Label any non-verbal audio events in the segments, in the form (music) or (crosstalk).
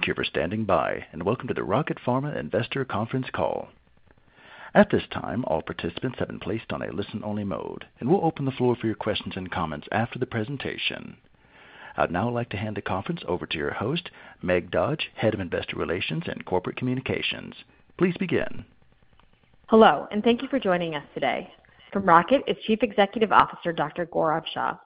Thank you for standing by, and welcome to the Rocket Pharma investor conference call. At this time, all participants have been placed on a listen-only mode, and we will open the floor for your questions and comments after the presentation. I would now like to hand the conference over to your host, Meg Dodge, Head of Investor Relations and Corporate Communications. Please begin. Hello, and thank you for joining us today. From Rocket is Chief Executive Officer Dr. Gaurav Shah.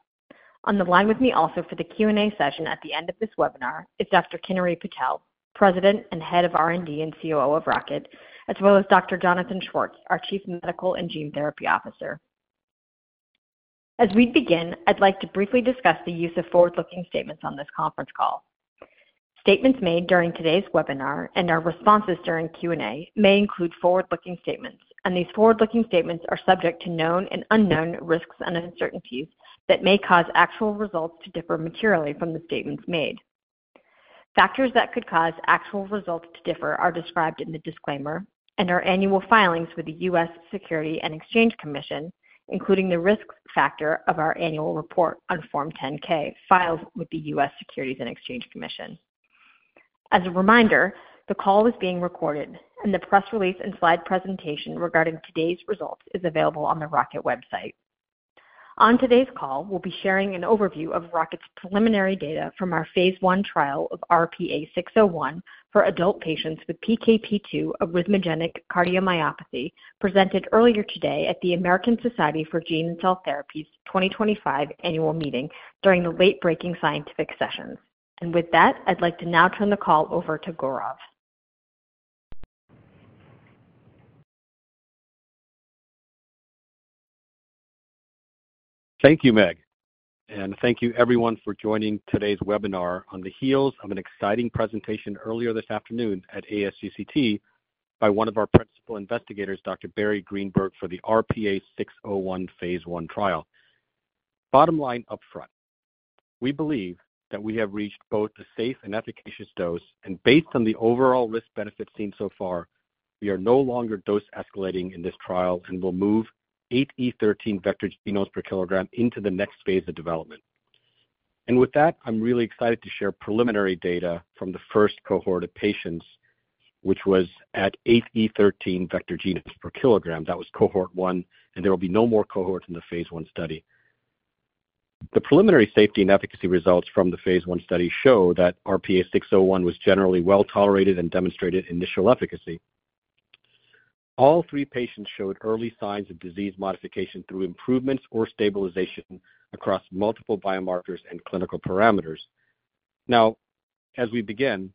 On the line with me also for the Q&A session at the end of this webinar is Dr. Kinnari Patel, President and Head of R&D and COO of Rocket, as well as Dr. Jonathan Schwartz, our Chief Medical and Gene Therapy Officer. As we begin, I'd like to briefly discuss the use of forward-looking statements on this conference call. Statements made during today's webinar and our responses during Q&A may include forward-looking statements, and these forward-looking statements are subject to known and unknown risks and uncertainties that may cause actual results to differ materially from the statements made. Factors that could cause actual results to differ are described in the disclaimer and our annual filings with the U.S. Securities and Exchange Commission, including the risk factor of our annual report on Form 10-K filed with the U.S. Securities and Exchange Commission. As a reminder, the call is being recorded, and the press release and slide presentation regarding today's results is available on the Rocket website. On today's call, we'll be sharing an overview of Rocket's preliminary data from our phase I trial of RP-A601 for adult patients with PKP2 arrhythmogenic cardiomyopathy presented earlier today at the American Society of Gene & Cell Therapy's 2025 Annual Meeting during the late-breaking scientific sessions. With that, I'd like to now turn the call over to Gaurav. Thank you, Meg, and thank you, everyone, for joining today's webinar on the heels of an exciting presentation earlier this afternoon at ASGCT by one of our principal investigators, Dr. Barry Greenberg, for the RP-A601 phase I trial. Bottom line upfront, we believe that we have reached both a safe and efficacious dose, and based on the overall risk-benefit seen so far, we are no longer dose-escalating in this trial and will move 8E13 vector genomes per kilogram into the next phase of development. I am really excited to share preliminary data from the first cohort of patients, which was at 8E13 vector genomes per kilogram. That was Cohort 1, and there will be no more cohorts in the phase I study. The preliminary safety and efficacy results from the phase I study show that RP-A601 was generally well-tolerated and demonstrated initial efficacy. All three patients showed early signs of disease modification through improvements or stabilization across multiple biomarkers and clinical parameters. Now, as we begin,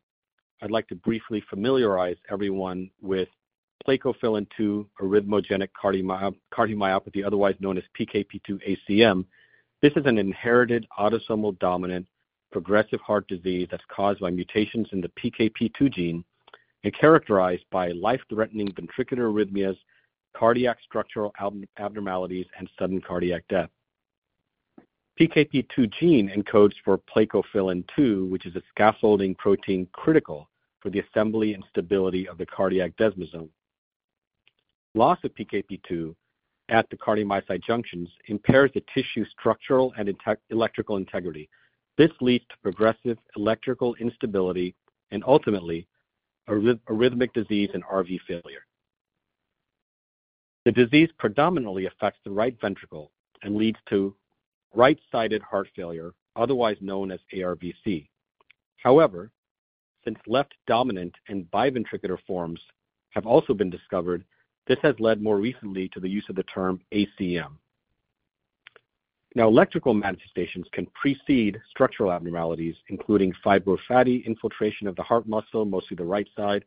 I'd like to briefly familiarize everyone with plakophilin-2 arrhythmogenic cardiomyopathy, otherwise known as PKP2-ACM. This is an inherited autosomal dominant progressive heart disease that's caused by mutations in the PKP2 gene and characterized by life-threatening ventricular arrhythmias, cardiac structural abnormalities, and sudden cardiac death. The PKP2 gene encodes for plakophilin-2, which is a scaffolding protein critical for the assembly and stability of the cardiac desmosome. Loss of PKP2 at the cardiomyocyte junctions impairs the tissue structural and electrical integrity. This leads to progressive electrical instability and ultimately arrhythmic disease and RV failure. The disease predominantly affects the right ventricle and leads to right-sided heart failure, otherwise known as ARVC. However, since left-dominant and biventricular forms have also been discovered, this has led more recently to the use of the term ACM. Now, electrical manifestations can precede structural abnormalities, including fibrofatty infiltration of the heart muscle, mostly the right side,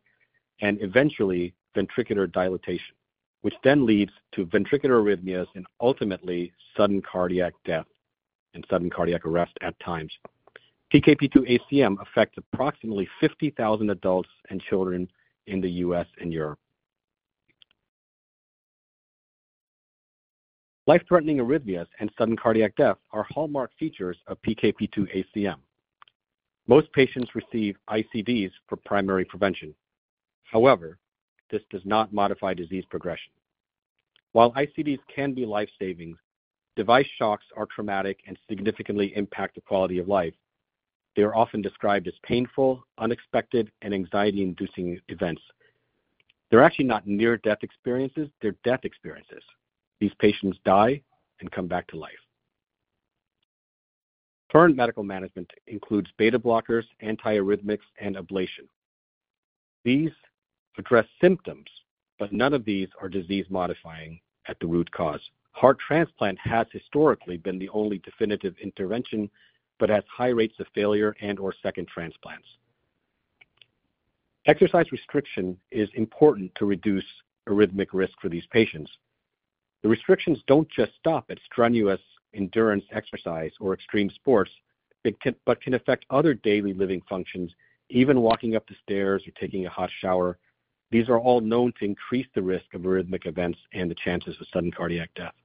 and eventually ventricular dilatation, which then leads to ventricular arrhythmias and ultimately sudden cardiac death and sudden cardiac arrest at times. PKP2-ACM affects approximately 50,000 adults and children in the U.S. and Europe. Life-threatening arrhythmias and sudden cardiac death are hallmark features of PKP2-ACM. Most patients receive ICDs for primary prevention. However, this does not modify disease progression. While ICDs can be lifesaving, device shocks are traumatic and significantly impact the quality of life. They are often described as painful, unexpected, and anxiety-inducing events. They're actually not near-death experiences; they're death experiences. These patients die and come back to life. Current medical management includes beta-blockers, antiarrhythmics, and ablation. These address symptoms, but none of these are disease-modifying at the root cause. Heart transplant has historically been the only definitive intervention, but has high rates of failure and/or second transplants. Exercise restriction is important to reduce arrhythmic risk for these patients. The restrictions do not just stop at strenuous endurance exercise or extreme sports, but can affect other daily living functions, even walking up the stairs or taking a hot shower. These are all known to increase the risk of arrhythmic events and the chances of sudden cardiac death.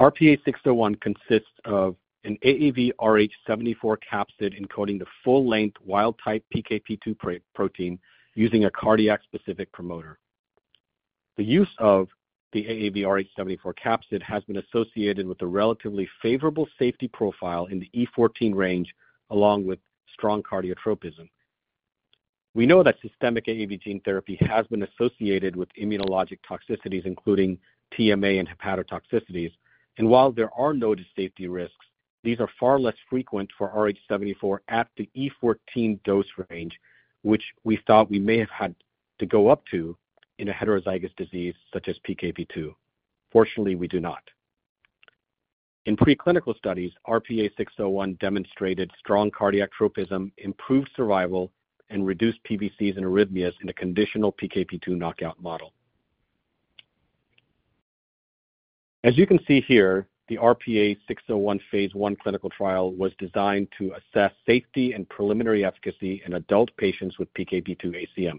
RP-A601 consists of an AAVrh.74 capsid encoding the full-length wild-type PKP2 protein using a cardiac-specific promoter. The use of the AAVrh.74 capsid has been associated with a relatively favorable safety profile in the E14 range, along with strong cardiotropism. We know that systemic AAV gene therapy has been associated with immunologic toxicities, including TMA and hepatotoxicities. While there are noted safety risks, these are far less frequent for AAVrh.74 at the E14 dose range, which we thought we may have had to go up to in a heterozygous disease such as PKP2. Fortunately, we do not. In preclinical studies, RP-A601 demonstrated strong cardiotropism, improved survival, and reduced PVCs and arrhythmias in a conditional PKP2 knockout model. As you can see here, the RP-A601 phase I clinical trial was designed to assess safety and preliminary efficacy in adult patients with PKP2-ACM.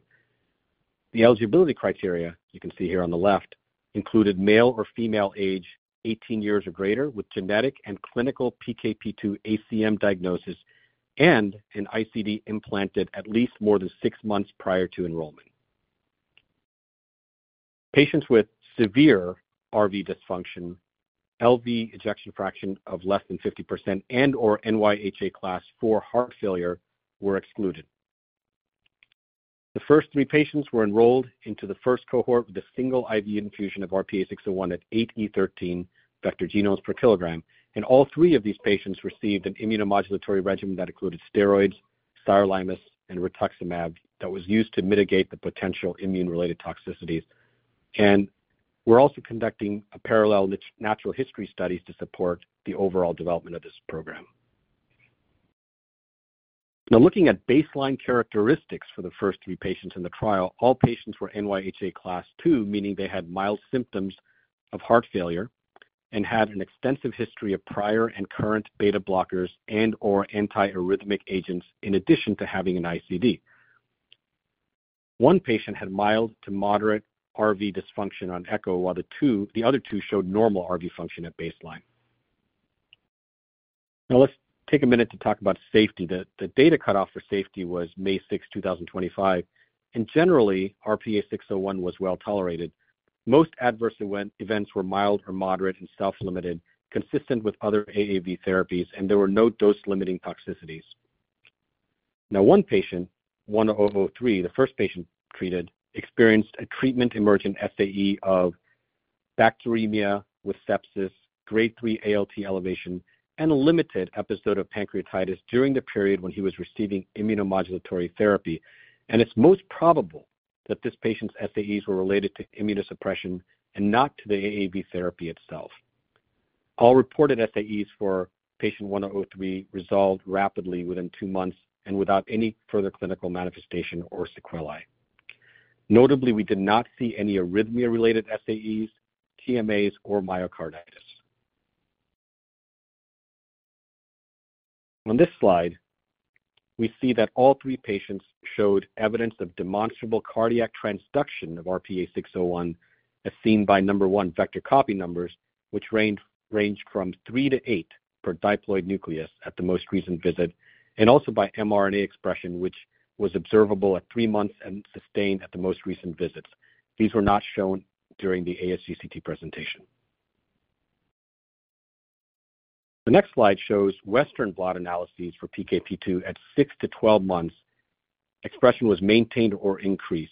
The eligibility criteria you can see here on the left included male or female age 18 years or greater with genetic and clinical PKP2-ACM diagnosis and an ICD implanted at least more than six months prior to enrollment. Patients with severe RV dysfunction, LV ejection fraction of less than 50%, and/or NYHA Class IV heart failure were excluded. The first three patients were enrolled into the first cohort with a single IV infusion of RP-A601 at 8E13 vector genomes per kilogram, and all three of these patients received an immunomodulatory regimen that included steroids, sirolimus, and rituximab that was used to mitigate the potential immune-related toxicities. We are also conducting parallel natural history studies to support the overall development of this program. Now, looking at baseline characteristics for the first three patients in the trial, all patients were NYHA Class II, meaning they had mild symptoms of heart failure and had an extensive history of prior and current beta-blockers and/or antiarrhythmic agents in addition to having an ICD. One patient had mild to moderate RV dysfunction on echo, while the other two showed normal RV function at baseline. Now, let's take a minute to talk about safety. The data cutoff for safety was May 6, 2025, and generally, RP-A601 was well-tolerated. Most adverse events were mild or moderate and self-limited, consistent with other AAV therapies, and there were no dose-limiting toxicities. One patient, 1003, the first patient treated, experienced a treatment-emergent FAE of bacteremia with sepsis, Grade 3 ALT elevation, and a limited episode of pancreatitis during the period when he was receiving immunomodulatory therapy. It is most probable that this patient's FAEs were related to immunosuppression and not to the AAV therapy itself. All reported FAEs for patient 1003 resolved rapidly within two months and without any further clinical manifestation or sequelae. Notably, we did not see any arrhythmia-related FAEs, TMAs, or myocarditis. On this slide, we see that all three patients showed evidence of demonstrable cardiac transduction of RP-A601, as seen by number one, vector copy numbers, which ranged from three to eight per diploid nucleus at the most recent visit, and also by mRNA expression, which was observable at three months and sustained at the most recent visits. These were not shown during the ASGCT presentation. The next slide shows Western blot analyses for PKP2 at six to 12 months. Expression was maintained or increased.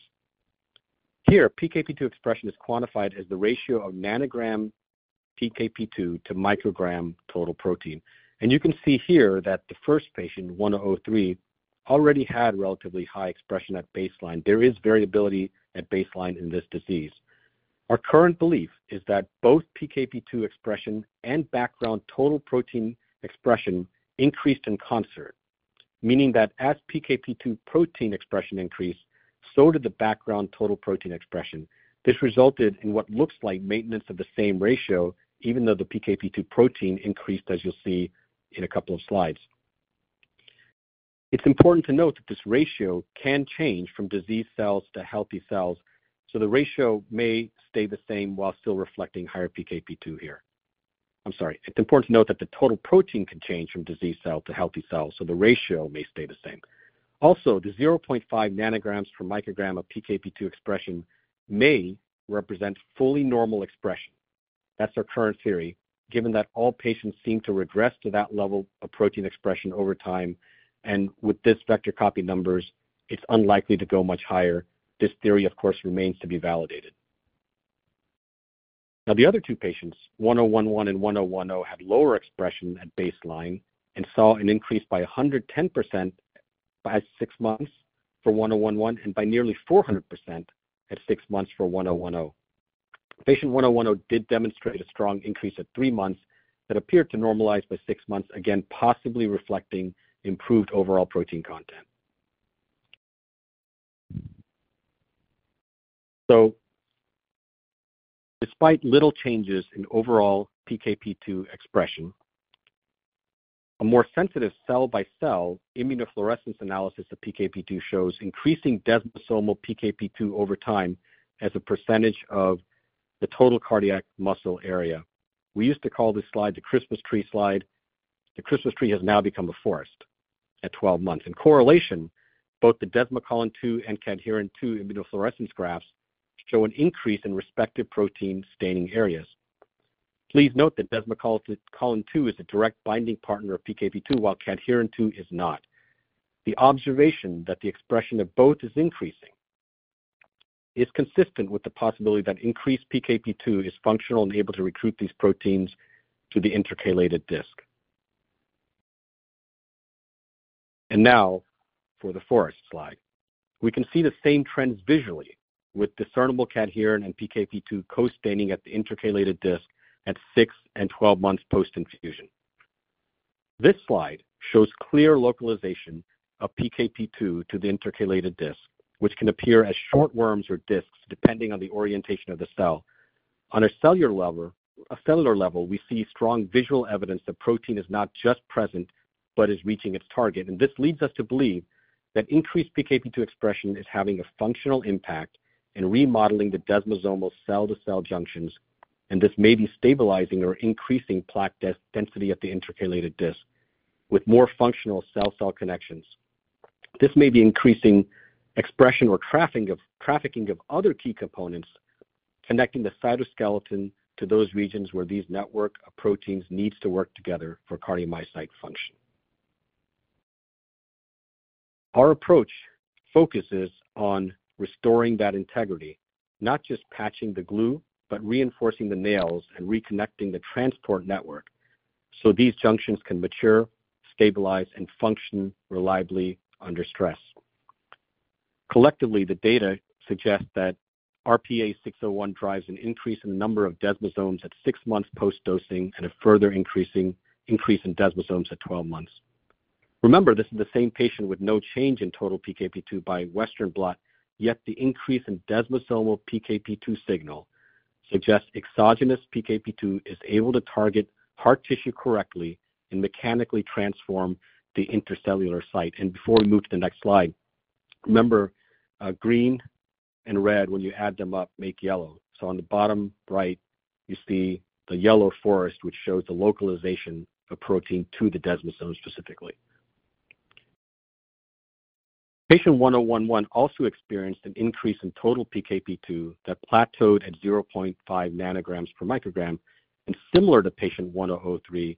Here, PKP2 expression is quantified as the ratio of nanogram PKP2 to microgram total protein. You can see here that the first patient, 1003, already had relatively high expression at baseline. There is variability at baseline in this disease. Our current belief is that both PKP2 expression and background total protein expression increased in concert, meaning that as PKP2 protein expression increased, so did the background total protein expression. This resulted in what looks like maintenance of the same ratio, even though the PKP2 protein increased, as you'll see in a couple of slides. It's important to note that this ratio can change from disease cells to healthy cells, so the ratio may stay the same while still reflecting higher PKP2 here. I'm sorry. It's important to note that the total protein can change from disease cell to healthy cell, so the ratio may stay the same. Also, the 0.5 nanograms per microgram of PKP2 expression may represent fully normal expression. That's our current theory, given that all patients seem to regress to that level of protein expression over time, and with this vector copy numbers, it's unlikely to go much higher. This theory, of course, remains to be validated. Now, the other two patients, 1011 and 1010, had lower expression at baseline and saw an increase by 110% by six months for 1011 and by nearly 400% at six months for 1010. Patient 1010 did demonstrate a strong increase at three months that appeared to normalize by six months, again, possibly reflecting improved overall protein content. Despite little changes in overall PKP2 expression, a more sensitive cell-by-cell immunofluorescence analysis of PKP2 shows increasing desmosomal PKP2 over time as a percentage of the total cardiac muscle area. We used to call this slide the Christmas tree slide. The Christmas tree has now become a forest at 12 months. In correlation, both the desmocollin II and cadherin II immunofluorescence graphs show an increase in respective protein staining areas. Please note that desmocollin II is a direct binding partner of PKP2, while cadherin II is not. The observation that the expression of both is increasing is consistent with the possibility that increased PKP2 is functional and able to recruit these proteins to the intercalated disc. For the forest slide, we can see the same trends visually with discernible cadherin and PKP2 co-staining at the intercalated disc at six and 12 months post-infusion. This slide shows clear localization of PKP2 to the intercalated disc, which can appear as short worms or discs, depending on the orientation of the cell. On a cellular level, we see strong visual evidence that protein is not just present, but is reaching its target. This leads us to believe that increased PKP2 expression is having a functional impact in remodeling the desmosomal cell-to-cell junctions, and this may be stabilizing or increasing plaque density at the intercalated disc with more functional cell-cell connections. This may be increasing expression or trafficking of other key components connecting the cytoskeleton to those regions where these network of proteins need to work together for cardiomyocyte function. Our approach focuses on restoring that integrity, not just patching the glue, but reinforcing the nails and reconnecting the transport network so these junctions can mature, stabilize, and function reliably under stress. Collectively, the data suggest that RP-A601 drives an increase in the number of desmosomes at six months post-dosing and a further increase in desmosomes at 12 months. Remember, this is the same patient with no change in total PKP2 by Western blot, yet the increase in desmosomal PKP2 signal suggests exogenous PKP2 is able to target heart tissue correctly and mechanically transform the intercellular site. Before we move to the next slide, remember, green and red, when you add them up, make yellow. On the bottom right, you see the yellow forest, which shows the localization of protein to the desmosomes specifically. Patient 1011 also experienced an increase in total PKP2 that plateaued at 0.5 nanograms per microgram. Similar to patient 1003,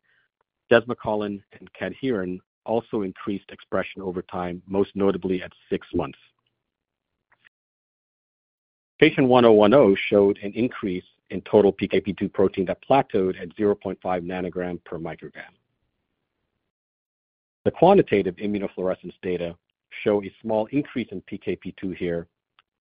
desmocollin and cadherin also increased expression over time, most notably at six months. Patient 1010 showed an increase in total PKP2 protein that plateaued at 0.5 nanogram per microgram. The quantitative immunofluorescence data show a small increase in PKP2 here,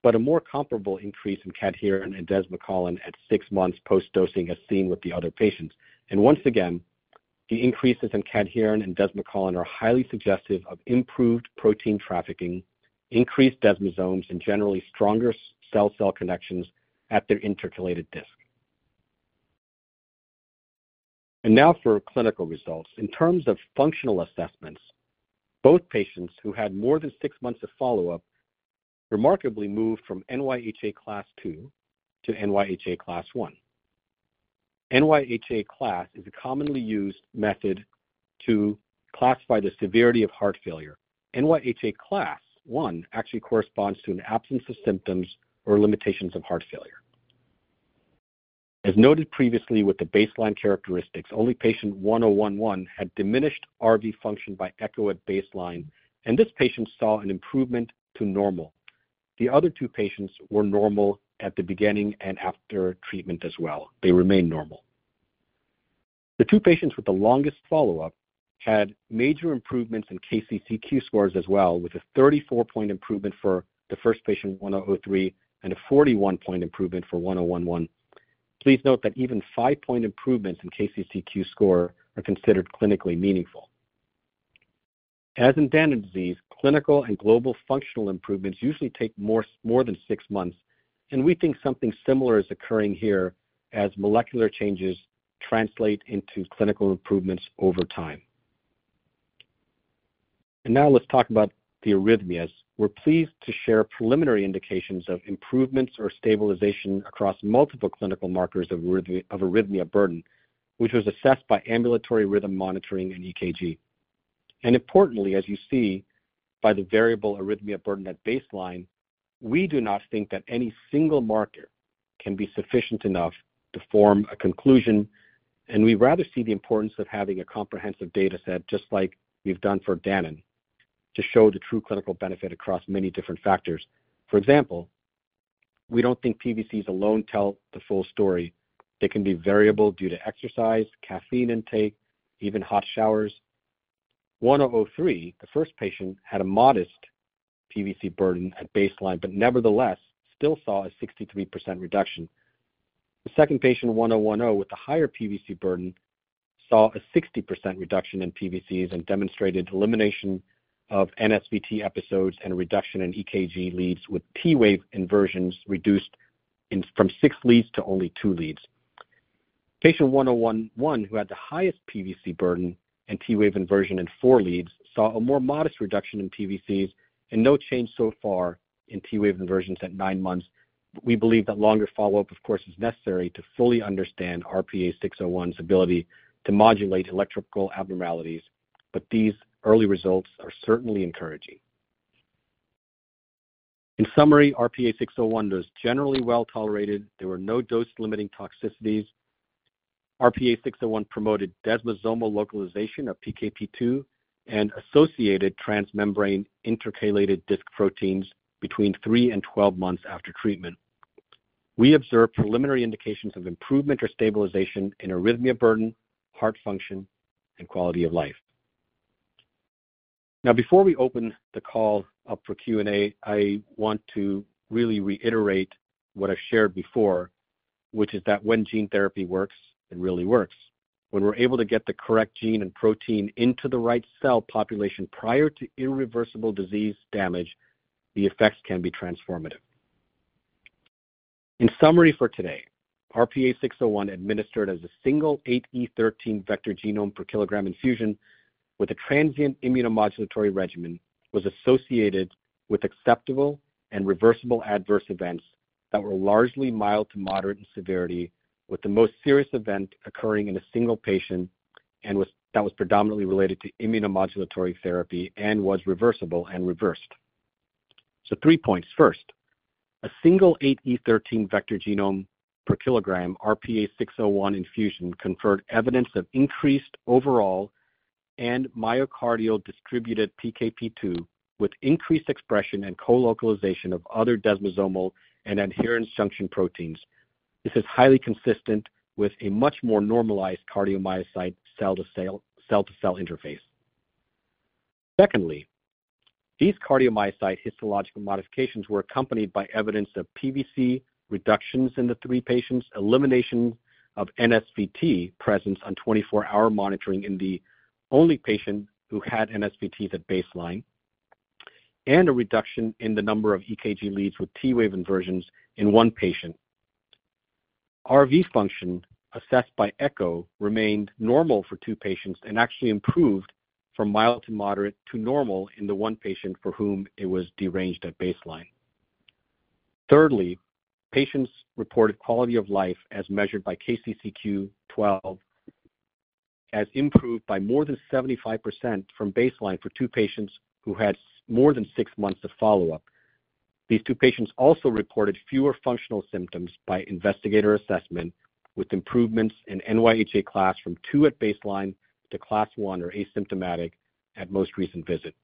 but a more comparable increase in cadherin and desmocollin at six months post-dosing as seen with the other patients. The increases in cadherin and desmocollin are highly suggestive of improved protein trafficking, increased desmosomes, and generally stronger cell-cell connections at their intercalated disc. Now for clinical results. In terms of functional assessments, both patients who had more than six months of follow-up remarkably moved from NYHA Class II to NYHA Class I. NYHA Class is a commonly used method to classify the severity of heart failure. NYHA Class I actually corresponds to an absence of symptoms or limitations of heart failure. As noted previously with the baseline characteristics, only patient 1011 had diminished RV function by echo at baseline, and this patient saw an improvement to normal. The other two patients were normal at the beginning and after treatment as well. They remained normal. The two patients with the longest follow-up had major improvements in KCCQ scores as well, with a 34-point improvement for the first patient, 1003, and a 41-point improvement for 1011. Please note that even 5-point improvements in KCCQ score are considered clinically meaningful. As in Danon disease, clinical and global functional improvements usually take more than six months, and we think something similar is occurring here as molecular changes translate into clinical improvements over time. Now let's talk about the arrhythmias. We're pleased to share preliminary indications of improvements or stabilization across multiple clinical markers of arrhythmia burden, which was assessed by ambulatory rhythm monitoring and EKG. Importantly, as you see by the variable arrhythmia burden at baseline, we do not think that any single marker can be sufficient enough to form a conclusion, and we rather see the importance of having a comprehensive data set, just like we've done for Danon, to show the true clinical benefit across many different factors. For example, we don't think PVCs alone tell the full story. They can be variable due to exercise, caffeine intake, even hot showers. 1003, the first patient, had a modest PVC burden at baseline, but nevertheless still saw a 63% reduction. The second patient, 1010, with a higher PVC burden, saw a 60% reduction in PVCs and demonstrated elimination of NSVT episodes and reduction in EKG leads with T-wave inversions reduced from six leads to only two leads. Patient 1011, who had the highest PVC burden and T-wave inversion in four leads, saw a more modest reduction in PVCs and no change so far in T-wave inversions at nine months. We believe that longer follow-up, of course, is necessary to fully understand RP-A601's ability to modulate electrical abnormalities, but these early results are certainly encouraging. In summary, RP-A601 was generally well-tolerated. There were no dose-limiting toxicities. RP-A601 promoted desmosomal localization of PKP2 and associated transmembrane intercalated disc proteins between three and 12 months after treatment. We observe preliminary indications of improvement or stabilization in arrhythmia burden, heart function, and quality of life. Now, before we open the call up for Q&A, I want to really reiterate what I've shared before, which is that when gene therapy works, it really works. When we're able to get the correct gene and protein into the right cell population prior to irreversible disease damage, the effects can be transformative. In summary for today, RP-A601 administered as a single 8E13 vector genome per kilogram infusion with a transient immunomodulatory regimen was associated with acceptable and reversible adverse events that were largely mild to moderate in severity, with the most serious event occurring in a single patient that was predominantly related to immunomodulatory therapy and was reversible and reversed. Three points. First, a single 8E13 vector genome per kilogram RP-A601 infusion conferred evidence of increased overall and myocardial distributed PKP2 with increased expression and co-localization of other desmosomal and adherence junction proteins. This is highly consistent with a much more normalized cardiomyocyte cell-to-cell interface. Secondly, these cardiomyocyte histological modifications were accompanied by evidence of PVC reductions in the three patients, elimination of NSVT presence on 24-hour monitoring in the only patient who had NSVTs at baseline, and a reduction in the number of EKG leads with T-wave inversions in one patient. RV function assessed by echo remained normal for two patients and actually improved from mild to moderate to normal in the one patient for whom it was deranged at baseline. Thirdly, patients reported quality of life as measured by KCCQ-12 as improved by more than 75% from baseline for two patients who had more than six months of follow-up. These two patients also reported fewer functional symptoms by investigator assessment, with improvements in NYHA Class from II at baseline to Class I or asymptomatic at most recent visit.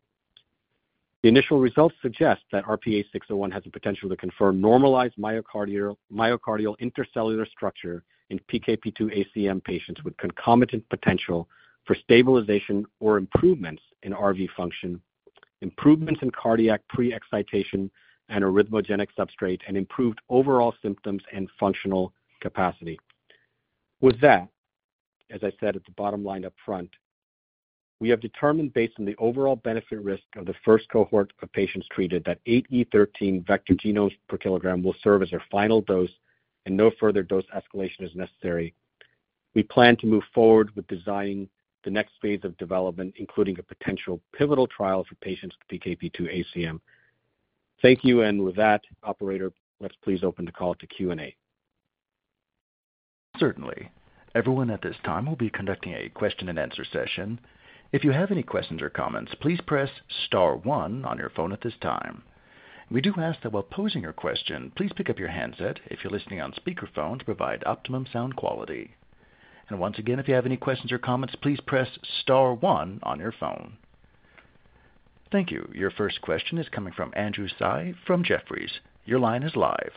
The initial results suggest that RP-A601 has the potential to confirm normalized myocardial intercellular structure in PKP2-ACM patients with concomitant potential for stabilization or improvements in RV function, improvements in cardiac pre-excitation and arrhythmogenic substrate, and improved overall symptoms and functional capacity. With that, as I said at the bottom line upfront, we have determined based on the overall benefit-risk of the first cohort of patients treated that 8E13 vector genomes per kilogram will serve as our final dose and no further dose escalation is necessary. We plan to move forward with designing the next phase of development, including a potential pivotal trial for patients with PKP2-ACM. Thank you, and with that, operator, let's please open the call to Q&A. Certainly. Everyone at this time will be conducting a question-and-answer session. If you have any questions or comments, please press star one on your phone at this time. We do ask that while posing your question, please pick up your handset if you're listening on speakerphone to provide optimum sound quality. Once again, if you have any questions or comments, please press star one on your phone. Thank you. Your first question is coming from Andrew Tsai from Jefferies. Your line is live.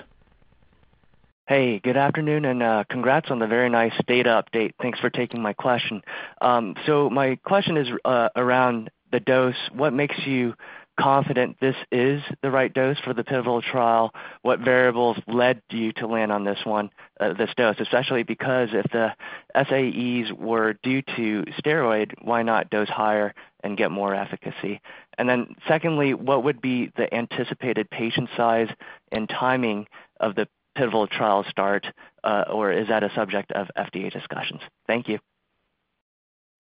Hey, good afternoon and congrats on the very nice data update. Thanks for taking my question. My question is around the dose. What makes you confident this is the right dose for the pivotal trial? What variables led you to land on this dose, especially because if the SAEs were due to steroid, why not dose higher and get more efficacy? Secondly, what would be the anticipated patient size and timing of the pivotal trial start, or is that a subject of FDA discussions? Thank you.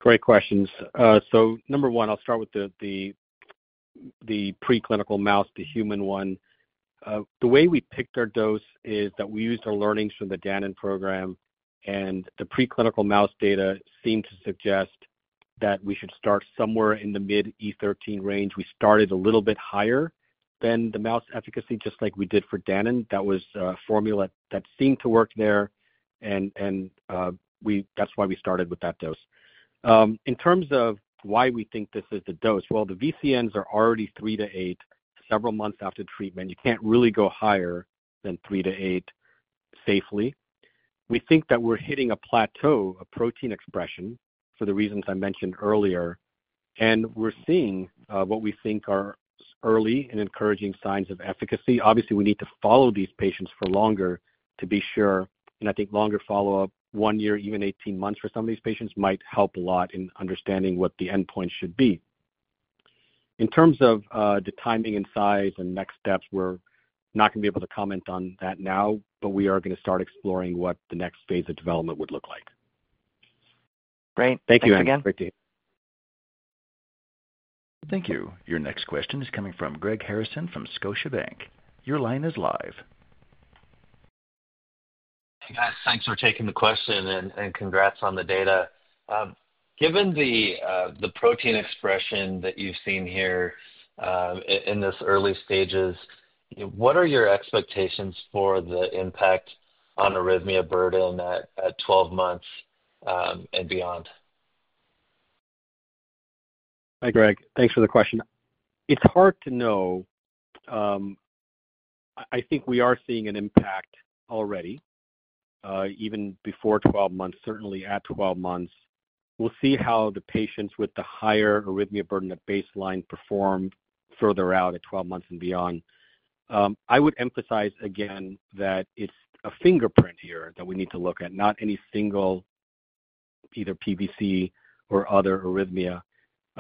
Great questions. Number one, I'll start with the preclinical mouse, the human one. The way we picked our dose is that we used our learnings from the Danon program, and the preclinical mouse data seemed to suggest that we should start somewhere in the mid-E13 range. We started a little bit higher than the mouse efficacy, just like we did for Danon. That was a formula that seemed to work there, and that's why we started with that dose. In terms of why we think this is the dose, the VCNs are already three to eight several months after treatment. You can't really go higher than three to eight safely. We think that we're hitting a plateau of protein expression for the reasons I mentioned earlier, and we're seeing what we think are early and encouraging signs of efficacy. Obviously, we need to follow these patients for longer to be sure, and I think longer follow-up, one year, even 18 months for some of these patients might help a lot in understanding what the endpoint should be. In terms of the timing and size and next steps, we're not going to be able to comment on that now, but we are going to start exploring what the next phase of development would look like. Great. Thank you again. Thank you. Your next question is coming from Greg Harrison from Scotiabank. Your line is live. Hey, guys. Thanks for taking the question and congrats on the data. Given the protein expression that you've seen here in these early stages, what are your expectations for the impact on arrhythmia burden at 12 months and beyond? Hi, Greg. Thanks for the question. It's hard to know. I think we are seeing an impact already, even before 12 months, certainly at 12 months. We'll see how the patients with the higher arrhythmia burden at baseline perform further out at 12 months and beyond. I would emphasize again that it's a fingerprint here that we need to look at, not any single either PVC or other arrhythmia.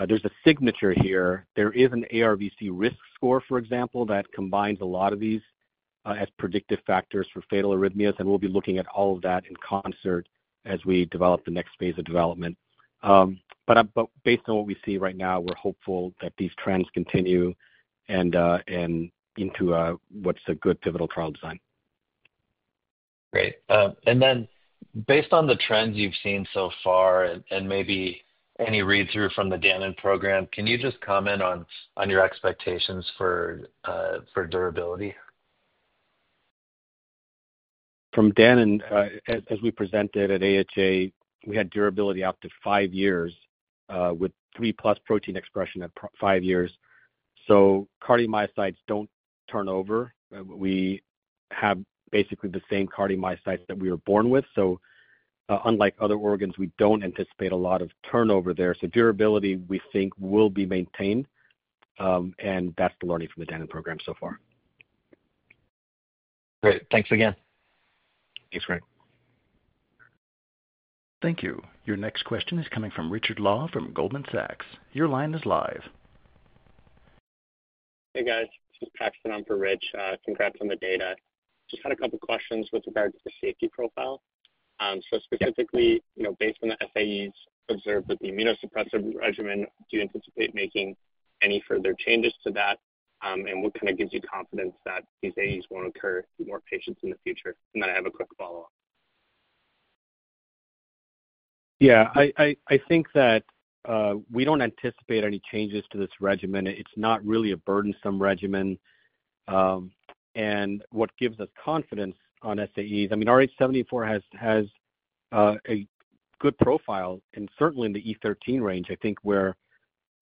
There's a signature here. There is an ARVC risk score, for example, that combines a lot of these as predictive factors for fatal arrhythmias, and we'll be looking at all of that in concert as we develop the next phase of development. Based on what we see right now, we're hopeful that these trends continue and into what's a good pivotal trial design. Great. And then based on the trends you've seen so far and maybe any read-through from the Danon program, can you just comment on your expectations for durability? From Danon, as we presented at AHA, we had durability up to five years with 3+ protein expression at five years. Cardiomyocytes do not turn over. We have basically the same cardiomyocytes that we were born with. Unlike other organs, we do not anticipate a lot of turnover there. Durability, we think, will be maintained, and that's the learning from the Danon program so far. Great. Thanks again. Thanks, Greg. Thank you. Your next question is coming from Richard Law from Goldman Sachs. Your line is live. Hey, guys. This is [Paxton] on for Rich. Congrats on the data. Just had a couple of questions with regard to the safety profile. Specifically, based on the SAEs observed with the immunosuppressive regimen, do you anticipate making any further changes to that, and what kind of gives you confidence that these AEs won't occur to more patients in the future? I have a quick follow-up. Yeah. I think that we don't anticipate any changes to this regimen. It's not really a burdensome regimen. What gives us confidence on SAEs? I mean, rh74 has a good profile, and certainly in the E13 range. I think where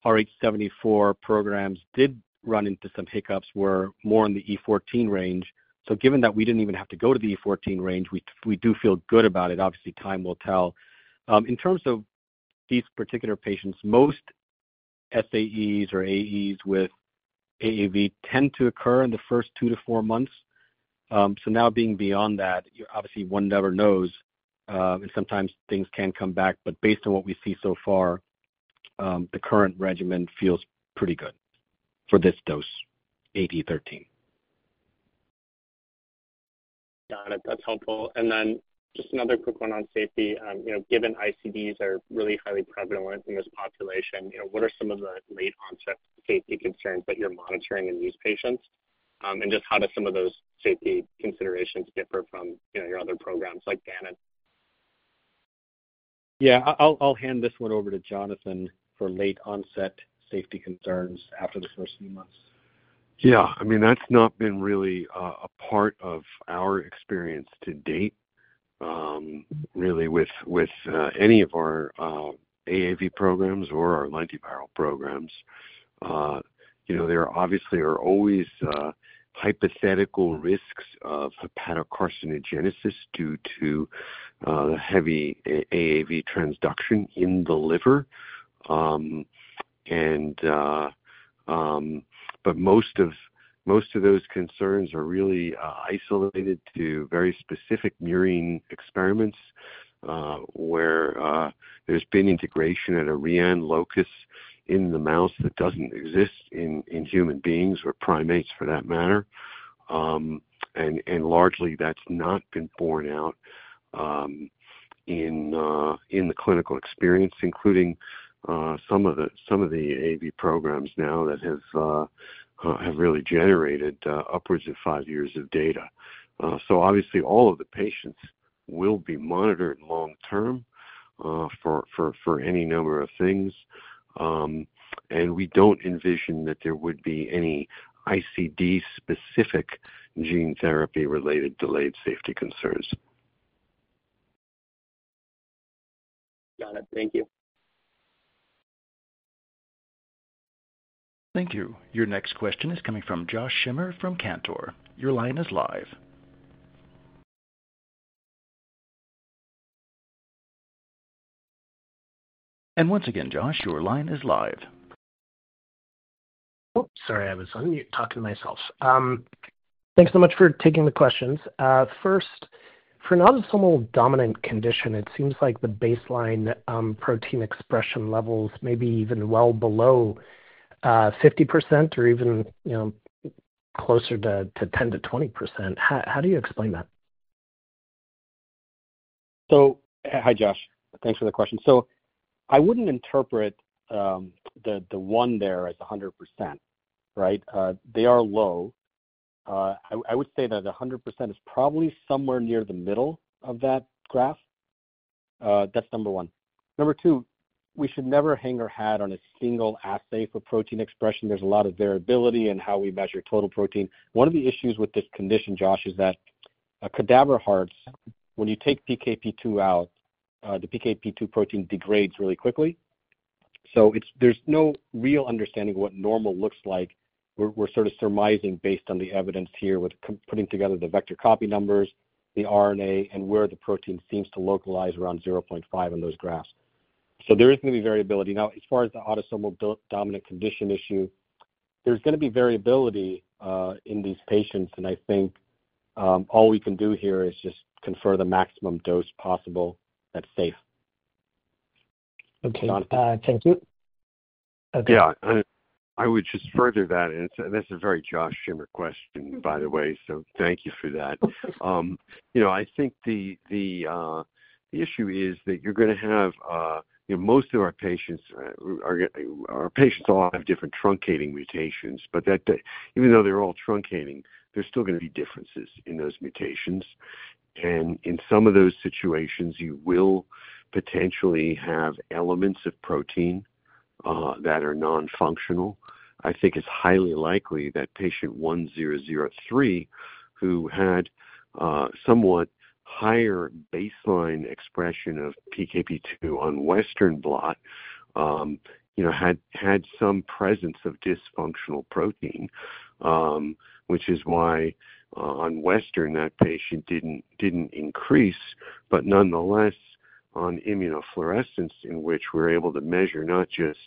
rh74 programs did run into some hiccups were more in the E14 range. Given that we didn't even have to go to the E14 range, we do feel good about it. Obviously, time will tell. In terms of these particular patients, most SAEs or AEs with AAV tend to occur in the first two to four months. Now being beyond that, obviously, one never knows, and sometimes things can come back. Based on what we see so far, the current regimen feels pretty good for this dose, 8E13. Got it. That's helpful. Just another quick one on safety. Given ICDs are really highly prevalent in this population, what are some of the late-onset safety concerns that you're monitoring in these patients? Just how do some of those safety considerations differ from your other programs like Danon? Yeah. I'll hand this one over to Jonathan for late-onset safety concerns after the first few months. Yeah. I mean, that's not been really a part of our experience to date, really, with any of our AAV programs or our lentiviral programs. There obviously are always hypothetical risks of hepatocarcinogenesis due to heavy AAV transduction in the liver. Most of those concerns are really isolated to very specific murine experiments where there's been integration at a re-an locus in the mouse that doesn't exist in human beings or primates for that matter. Largely, that's not been borne out in the clinical experience, including some of the AAV programs now that have really generated upwards of five years of data. Obviously, all of the patients will be monitored long-term for any number of things, and we don't envision that there would be any ICD-specific gene therapy-related delayed safety concerns. Got it. Thank you. Thank you. Your next question is coming from Josh Schimmer from Cantor. Your line is live. Once again, Josh, your line is live. Oops. Sorry, I was unmuted, talking to myself. Thanks so much for taking the questions. First, for not a small dominant condition, it seems like the baseline protein expression levels may be even well below 50% or even closer to 10%-20%. How do you explain that? Hi, Josh. Thanks for the question. I would not interpret the one there as 100%, right? They are low. I would say that 100% is probably somewhere near the middle of that graph. That is number one. Number two, we should never hang our hat on a single assay for protein expression. There is a lot of variability in how we measure total protein. One of the issues with this condition, Josh, is that cadaver hearts, when you take PKP2 out, the PKP2 protein degrades really quickly. There is no real understanding of what normal looks like. We're sort of surmising based on the evidence here with putting together the vector copy numbers, the RNA, and where the protein seems to localize around 0.5 in those graphs. There is going to be variability. Now, as far as the autosomal dominant condition issue, there's going to be variability in these patients, and I think all we can do here is just confer the maximum dose possible that's safe. Okay. Thank you. Yeah. I would just further that. This is a very Josh Schimmer question, by the way, so thank you for that. I think the issue is that you're going to have most of our patients, our patients all have different truncating mutations, but even though they're all truncating, there's still going to be differences in those mutations. In some of those situations, you will potentially have elements of protein that are nonfunctional. I think it's highly likely that patient 1003, who had somewhat higher baseline expression of PKP2 on Western blot, had some presence of dysfunctional protein, which is why on Western that patient didn't increase. Nonetheless, on immunofluorescence, in which we're able to measure not just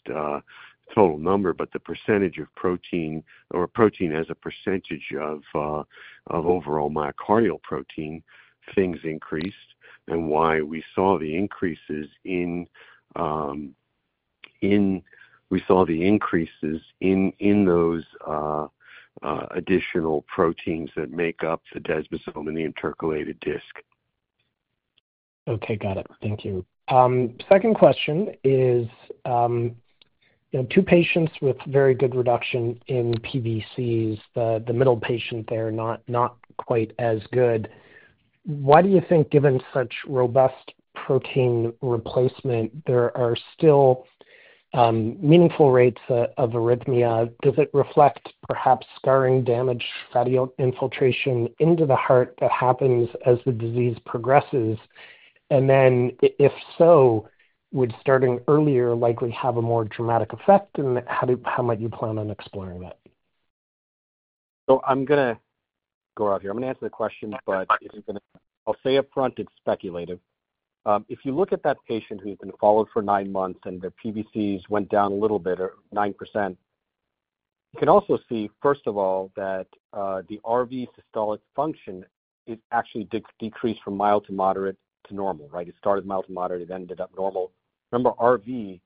total number, but the percentage of protein or protein as a percentage of overall myocardial protein, things increased. We saw the increases in those additional proteins that make up the desmosomal intercalated disc. Okay. Got it. Thank you. Second question is, two patients with very good reduction in PVCs, the middle patient there not quite as good. Why do you think, given such robust protein replacement, there are still meaningful rates of arrhythmia? Does it reflect perhaps scarring damage, fatty infiltration into the heart that happens as the disease progresses? If so, would starting earlier likely have a more dramatic effect? How might you plan on exploring that? I'm going to go out here. I'm going to answer the question, but I'll say upfront it's speculative. If you look at that patient who's been followed for nine months and their PVCs went down a little bit, 9%, you can also see, first of all, that the RV systolic function is actually decreased from mild to moderate to normal, right? It started mild to moderate. It ended up normal. Remember, RV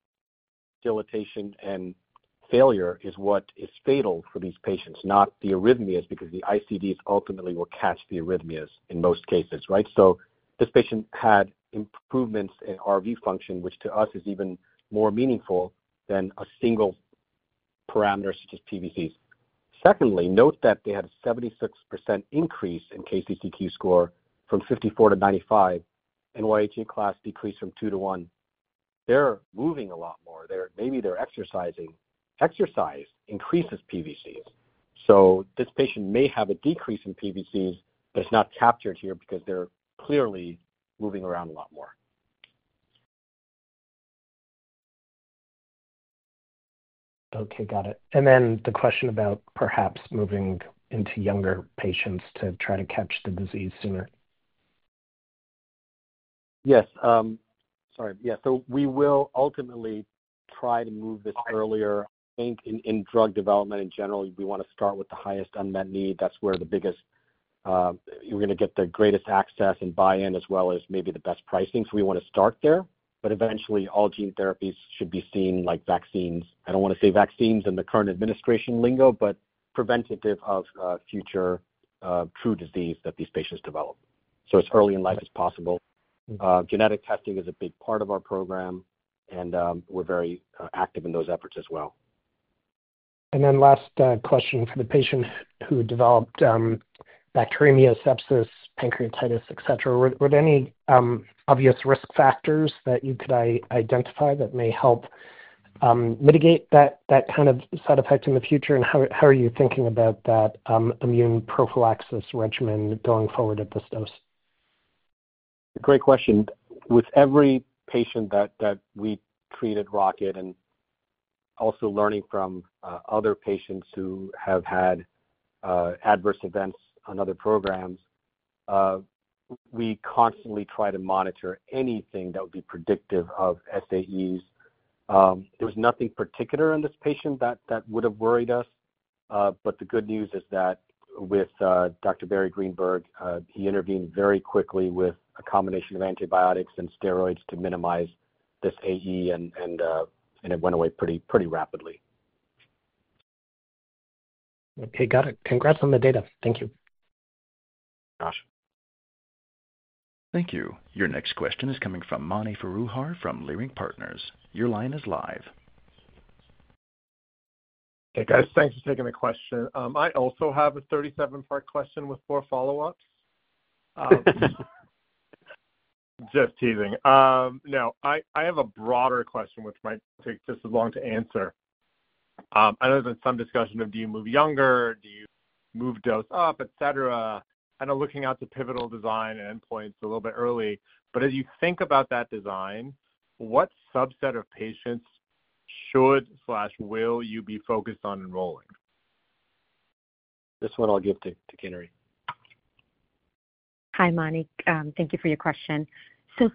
dilatation and failure is what is fatal for these patients, not the arrhythmias, because the ICDs ultimately will catch the arrhythmias in most cases, right? This patient had improvements in RV function, which to us is even more meaningful than a single parameter such as PVCs. Secondly, note that they had a 76% increase in KCCQ score from 54 to 95, NYHA class decreased from two to one. They're moving a lot more. Maybe they're exercising. Exercise increases PVCs. This patient may have a decrease in PVCs, but it's not captured here because they're clearly moving around a lot more. Okay. Got it. The question about perhaps moving into younger patients to try to catch the disease sooner. Yes. Sorry. Yeah. We will ultimately try to move this earlier. I think in drug development in general, we want to start with the highest unmet need. That's where you're going to get the greatest access and buy-in as well as maybe the best pricing. We want to start there. Eventually, all gene therapies should be seen like vaccines. I don't want to say vaccines in the current administration lingo, but preventative of future true disease that these patients develop. As early in life as possible. Genetic testing is a big part of our program, and we're very active in those efforts as well. Last question, for the patient who developed bacteremia, sepsis, pancreatitis, etc. Were there any obvious risk factors that you could identify that may help mitigate that kind of side effect in the future? How are you thinking about that immune prophylaxis regimen going forward at this dose? Great question. With every patient that we treat at Rocket and also learning from other patients who have had adverse events on other programs, we constantly try to monitor anything that would be predictive of SAEs. There was nothing particular in this patient that would have worried us. The good news is that with Dr. Barry Greenberg, he intervened very quickly with a combination of antibiotics and steroids to minimize this AE, and it went away pretty rapidly. Okay. Got it. Congrats on the data. Thank you. Josh. Thank you. Your next question is coming from Mani Foroohar from Leerink Partners. Your line is live. Hey, guys. Thanks for taking the question. I also have a 37-part question with four follow-ups. Just teasing. Now, I have a broader question, which might take just as long to answer. I know there's been some discussion of, "Do you move younger? Do you move dose up?" etc. I know looking at the pivotal design and endpoints a little bit early, but as you think about that design, what subset of patients should/will you be focused on enrolling? This one I'll give to Kinnari. Hi, Mani. Thank you for your question.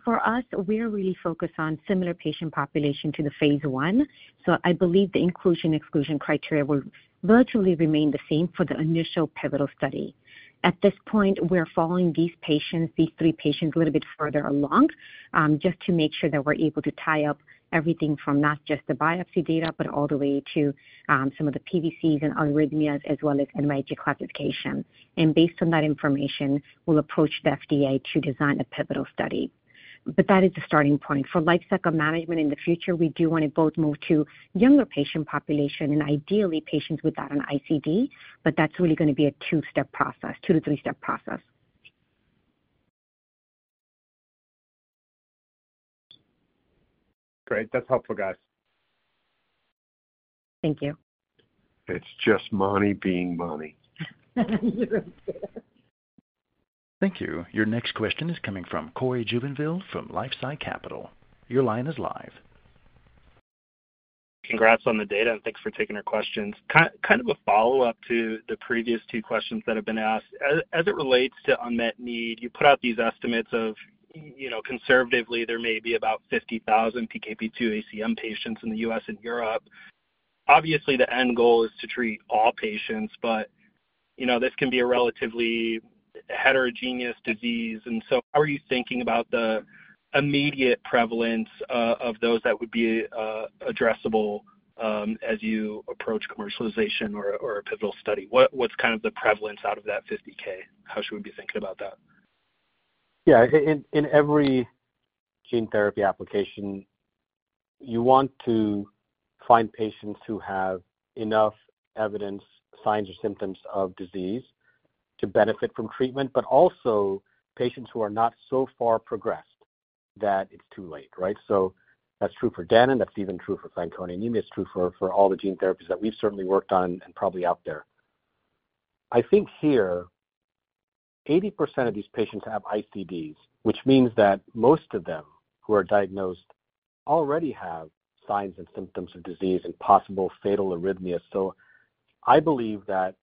For us, we are really focused on similar patient population to the phase I. I believe the inclusion/exclusion criteria will virtually remain the same for the initial pivotal study. At this point, we're following these patients, these three patients, a little bit further along just to make sure that we're able to tie up everything from not just the biopsy data, but all the way to some of the PVCs and arrhythmias as well as NYHA classification. Based on that information, we'll approach the FDA to design a pivotal study. That is the starting point. For life cycle management in the future, we do want to both move to younger patient population and ideally patients without an ICD, but that's really going to be a two-step process, two to three-step process. Great. That's helpful, guys. Thank you. It's just Mani being Mani. Thank you. Your next question is coming from Cory Jubinville from LifeSci Capital. Your line is live. Congrats on the data, and thanks for taking our questions. Kind of a follow-up to the previous two questions that have been asked. As it relates to unmet need, you put out these estimates of, "Conservatively, there may be about 50,000 PKP2-ACM patients in the U.S. and Europe." Obviously, the end goal is to treat all patients, but this can be a relatively heterogeneous disease. How are you thinking about the immediate prevalence of those that would be addressable as you approach commercialization or a pivotal study? What is kind of the prevalence out of that 50,000? How should we be thinking about that? Yeah. In every gene therapy application, you want to find patients who have enough evidence, signs or symptoms of disease to benefit from treatment, but also patients who are not so far progressed that it's too late, right? That's true for Danon. That's even true for Fanconi anemia. It's true for all the gene therapies that we've certainly worked on and probably out there. I think here, 80% of these patients have ICDs, which means that most of them who are diagnosed already have signs and symptoms of disease and possible fatal arrhythmias. I believe that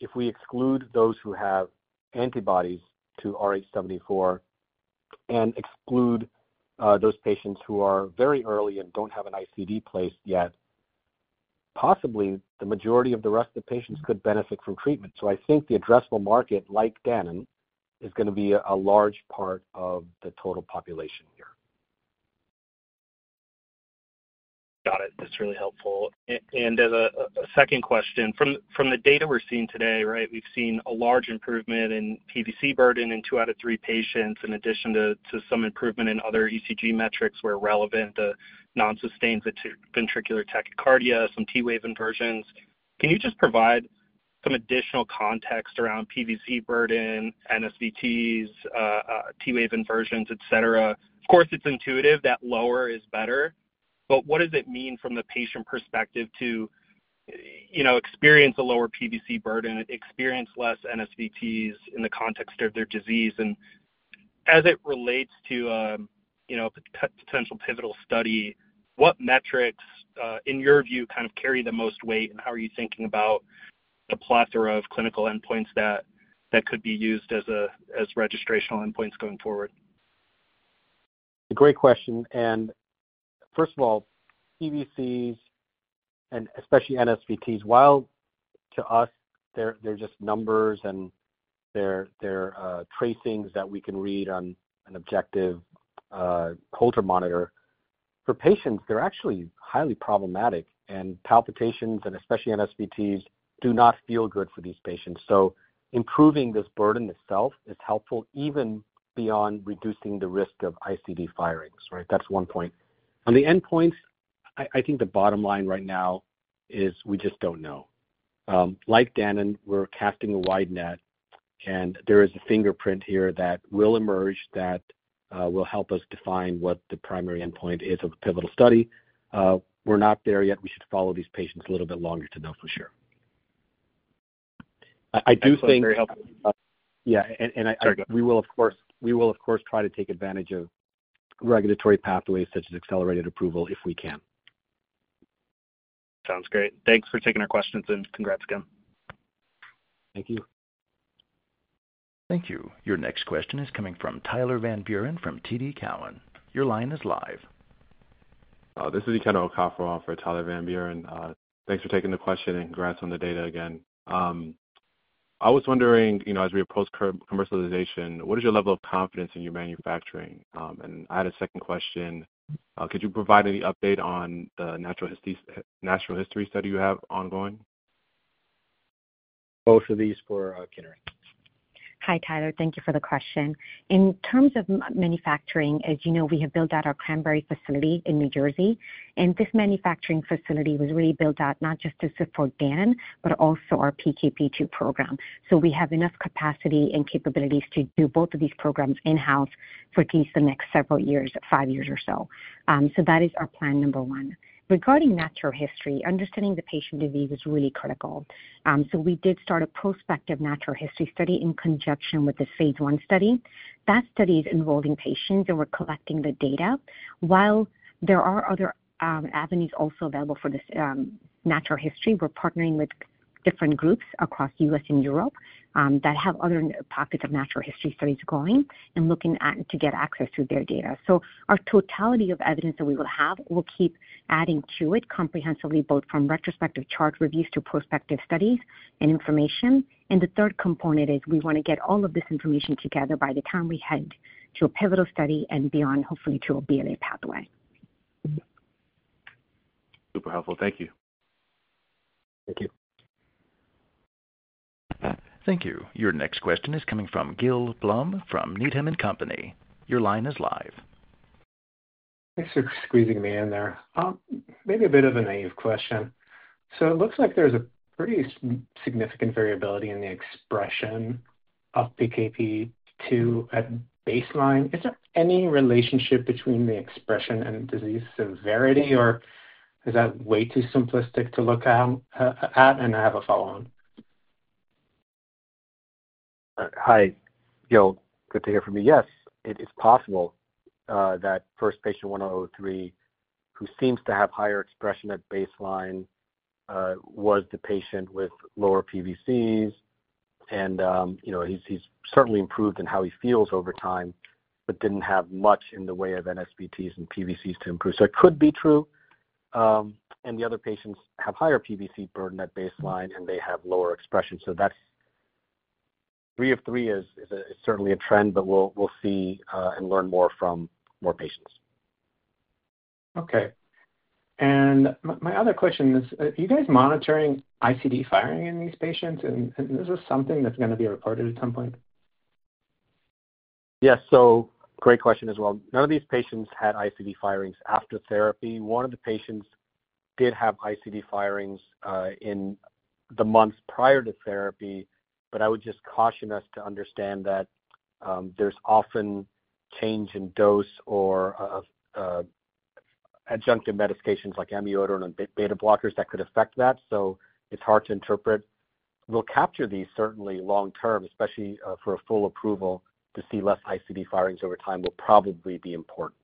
if we exclude those who have antibodies to AAVrh.74 and exclude those patients who are very early and don't have an ICD placed yet, possibly the majority of the rest of the patients could benefit from treatment. I think the addressable market, like Danon, is going to be a large part of the total population here. Got it. That's really helpful. As a second question, from the data we're seeing today, right, we've seen a large improvement in PVC burden in two out of three patients, in addition to some improvement in other ECG metrics where relevant to non-sustained ventricular tachycardia, some T-wave inversions. Can you just provide some additional context around PVC burden, NSVTs, T-wave inversions, etc.? Of course, it's intuitive that lower is better, but what does it mean from the patient perspective to experience a lower PVC burden, experience less NSVTs in the context of their disease? As it relates to a potential pivotal study, what metrics, in your view, kind of carry the most weight, and how are you thinking about the plethora of clinical endpoints that could be used as registrational endpoints going forward? It's a great question. First of all, PVCs and especially NSVTs, while to us, they're just numbers and they're tracings that we can read on an objective Holter monitor, for patients, they're actually highly problematic. Palpitations and especially NSVTs do not feel good for these patients. Improving this burden itself is helpful even beyond reducing the risk of ICD firings, right? That's one point. On the endpoints, I think the bottom line right now is we just don't know. Like Danon, we're casting a wide net, and there is a fingerprint here that will emerge that will help us define what the primary endpoint is of the pivotal study. We're not there yet. We should follow these patients a little bit longer to know for sure. We will, of course, try to take advantage of regulatory pathways such as accelerated approval if we can. Sounds great. Thanks for taking our questions, and congrats again. Thank you. Thank you. Your next question is coming from Tyler Van Buren from TD Cowen. Your line is live. This is (audio distortion) for Tyler Van Buren. Thanks for taking the question, and congrats on the data again. I was wondering, as we approach commercialization, what is your level of confidence in your manufacturing? I had a second question. Could you provide any update on the natural history study you have ongoing? Both of these for Kinnari. Hi, Tyler. Thank you for the question. In terms of manufacturing, as you know, we have built out our Cranbury facility in New Jersey. This manufacturing facility was really built out not just to support Danon, but also our PKP2 program. We have enough capacity and capabilities to do both of these programs in-house for at least the next several years, five years or so. That is our plan number one. Regarding natural history, understanding the patient disease is really critical. We did start a prospective natural history study in conjunction with the phase I study. That study is involving patients, and we're collecting the data. While there are other avenues also available for this natural history, we're partnering with different groups across the U.S. and Europe that have other pockets of natural history studies going and looking to get access to their data. Our totality of evidence that we will have will keep adding to it comprehensively, both from retrospective chart reviews to prospective studies and information. The third component is we want to get all of this information together by the time we head to a pivotal study and beyond, hopefully, to a BLA pathway. Super helpful. Thank you. Thank you. Thank you. Your next question is coming from Gil Blum from Needham & Company. Your line is live. Thanks for squeezing me in there. Maybe a bit of a naive question. It looks like there's a pretty significant variability in the expression of PKP2 at baseline. Is there any relationship between the expression and disease severity, or is that way too simplistic to look at? I have a follow-on. Hi, Gil. Good to hear from you. Yes, it is possible that first patient 1003, who seems to have higher expression at baseline, was the patient with lower PVCs. He certainly improved in how he feels over time, but did not have much in the way of NSVTs and PVCs to improve. It could be true. The other patients have higher PVC burden at baseline, and they have lower expression. Three of three is certainly a trend, but we will see and learn more from more patients. Okay. My other question is, are you guys monitoring ICD firing in these patients? Is this something that is going to be reported at some point? Yes. Great question as well. None of these patients had ICD firings after therapy. One of the patients did have ICD firings in the months prior to therapy, but I would just caution us to understand that there's often change in dose or adjunctive medications like amiodarone and beta-blockers that could affect that. It's hard to interpret. We'll capture these certainly long-term, especially for a full approval to see less ICD firings over time will probably be important.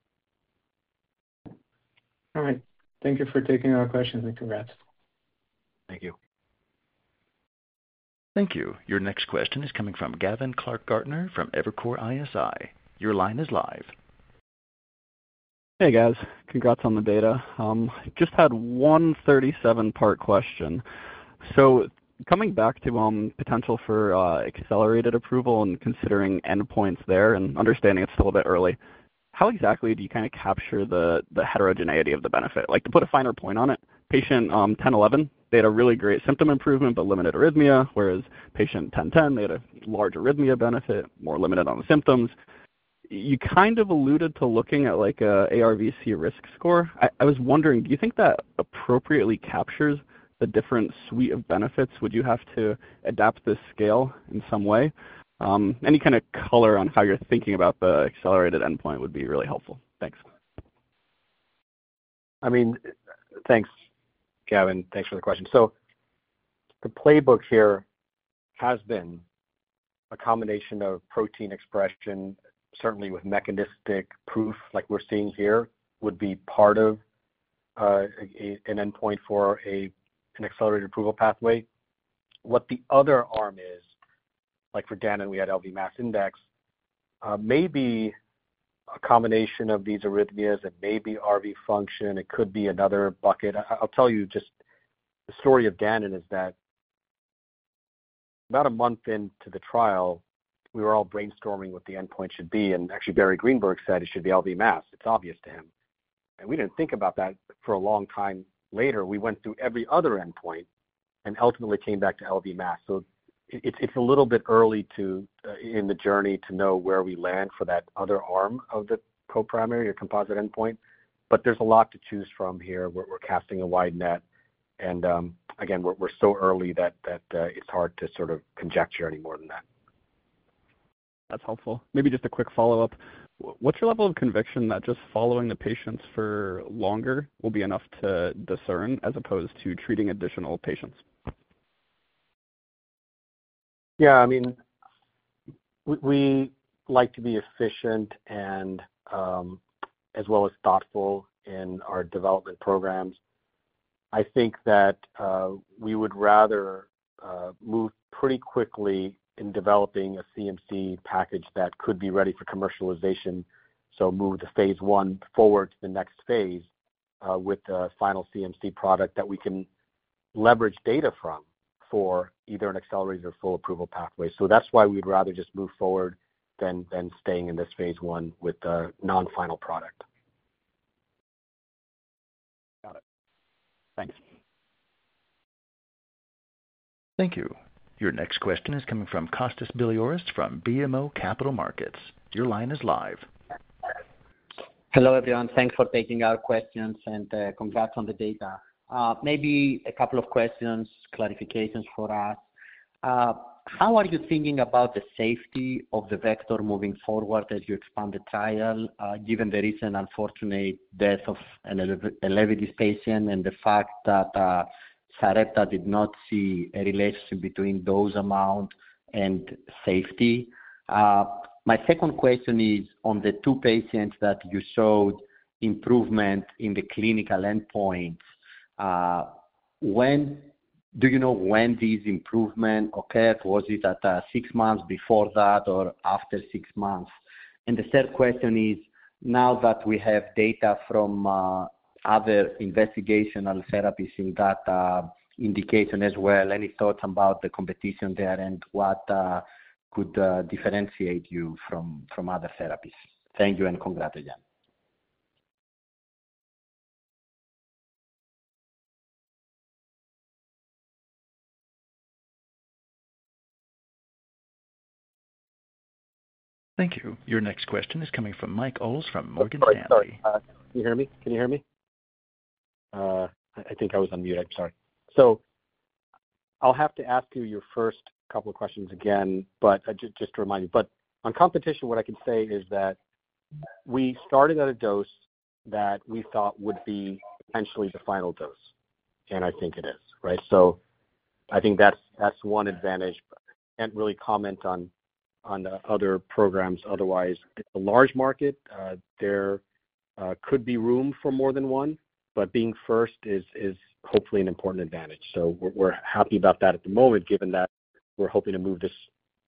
All right. Thank you for taking our questions, and congrats. Thank you. Thank you. Your next question is coming from Gavin Clark-Gartner from Evercore ISI. Your line is live. Hey, guys. Congrats on the data. I just had one 37-part question. Coming back to potential for accelerated approval and considering endpoints there and understanding it's still a bit early, how exactly do you kind of capture the heterogeneity of the benefit? To put a finer point on it, patient 1011, they had a really great symptom improvement but limited arrhythmia, whereas patient 1010, they had a large arrhythmia benefit, more limited on the symptoms. You kind of alluded to looking at an ARVC risk score. I was wondering, do you think that appropriately captures the different suite of benefits? Would you have to adapt this scale in some way? Any kind of color on how you're thinking about the accelerated endpoint would be really helpful. Thanks. I mean, thanks, Gavin. Thanks for the question. The playbook here has been a combination of protein expression, certainly with mechanistic proof like we're seeing here, would be part of an endpoint for an accelerated approval pathway. What the other arm is, like for Danon, we had LV mass index, maybe a combination of these arrhythmias and maybe RV function. It could be another bucket. I'll tell you just the story of Danon is that about a month into the trial, we were all brainstorming what the endpoint should be. Actually, Barry Greenberg said it should be LV mass. It's obvious to him. We didn't think about that for a long time later. We went through every other endpoint and ultimately came back to LV mass. It's a little bit early in the journey to know where we land for that other arm of the co-primary or composite endpoint. There's a lot to choose from here. We're casting a wide net. Again, we're so early that it's hard to sort of conjecture any more than that. That's helpful. Maybe just a quick follow-up. What's your level of conviction that just following the patients for longer will be enough to discern as opposed to treating additional patients? Yeah. I mean, we like to be efficient as well as thoughtful in our development programs. I think that we would rather move pretty quickly in developing a CMC package that could be ready for commercialization. Move the phase I forward to the next phase with the final CMC product that we can leverage data from for either an accelerated or full approval pathway. That's why we'd rather just move forward than staying in this phase I with the non-final product. Got it. Thanks. Thank you. Your next question is coming from Kostas Biliouris from BMO Capital Markets. Your line is live. Hello, everyone. Thanks for taking our questions, and congrats on the data. Maybe a couple of questions, clarifications for us. How are you thinking about the safety of the vector moving forward as you expand the trial, given the recent unfortunate death of a levity patient and the fact that Sarepta did not see a relationship between dose amount and safety? My second question is, on the two patients that you showed improvement in the clinical endpoints, do you know when these improvements occurred? Was it at six months, before that, or after six months? The third question is, now that we have data from other investigational therapies in that indication as well, any thoughts about the competition there and what could differentiate you from other therapies? Thank you, and congrats again. Thank you. Your next question is coming from Mike Ulz from Morgan Stanley. Can you hear me? Can you hear me? I think I was on mute. I'm sorry. I'll have to ask you your first couple of questions again, but just to remind you. On competition, what I can say is that we started at a dose that we thought would be potentially the final dose. I think it is, right? I think that's one advantage. I can't really comment on the other programs. Otherwise, it's a large market. There could be room for more than one, but being first is hopefully an important advantage. We're happy about that at the moment, given that we're hoping to move this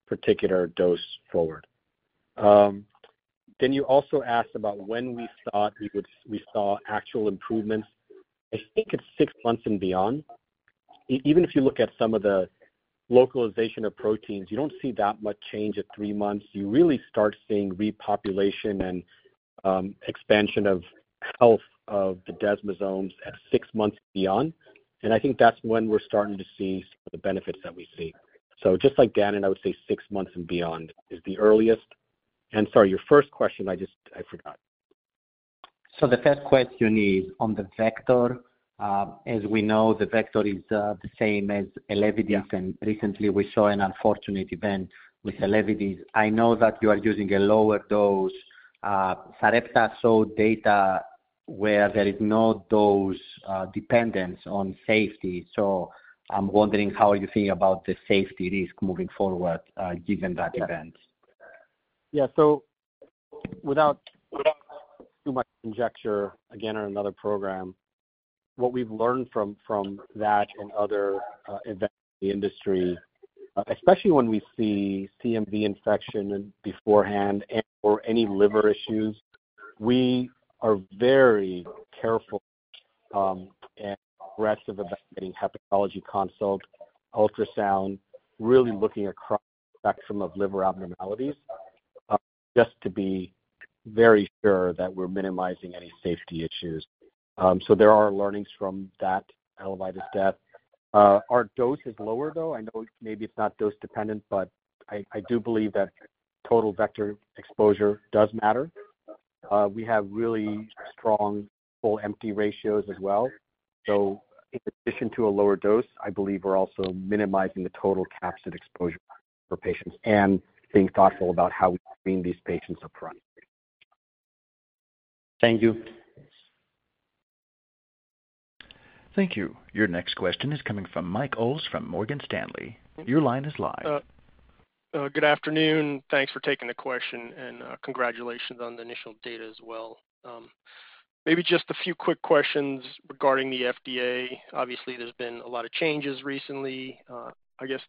particular dose forward. You also asked about when we thought we saw actual improvements. I think it's six months and beyond. Even if you look at some of the localization of proteins, you don't see that much change at three months. You really start seeing repopulation and expansion of health of the desmosomes at six months and beyond. I think that's when we're starting to see some of the benefits that we see. Just like Danon, I would say six months and beyond is the earliest. Sorry, your first question, I forgot. The first question is on the vector. As we know, the vector is the same as ELEVIDYS. Recently, we saw an unfortunate event with ELEVIDYS. I know that you are using a lower dose. Sarepta showed data where there is no dose dependence on safety. I'm wondering how are you thinking about the safety risk moving forward given that event. Yeah. Without too much conjecture, again, on another program, what we've learned from that and other events in the industry, especially when we see CMV infection beforehand and/or any liver issues, we are very careful and aggressive about getting hepatology consult, ultrasound, really looking across the spectrum of liver abnormalities just to be very sure that we're minimizing any safety issues. There are learnings from that elevated death. Our dose is lower, though. I know maybe it's not dose-dependent, but I do believe that total vector exposure does matter. We have really strong full empty ratios as well. In addition to a lower dose, I believe we're also minimizing the total capsule exposure for patients and being thoughtful about how we screen these patients upfront. Thank you. Thank you. Your next question is coming from Mike Ulz from Morgan Stanley. Your line is live. Good afternoon. Thanks for taking the question, and congratulations on the initial data as well. Maybe just a few quick questions regarding the FDA. Obviously, there's been a lot of changes recently. I guess,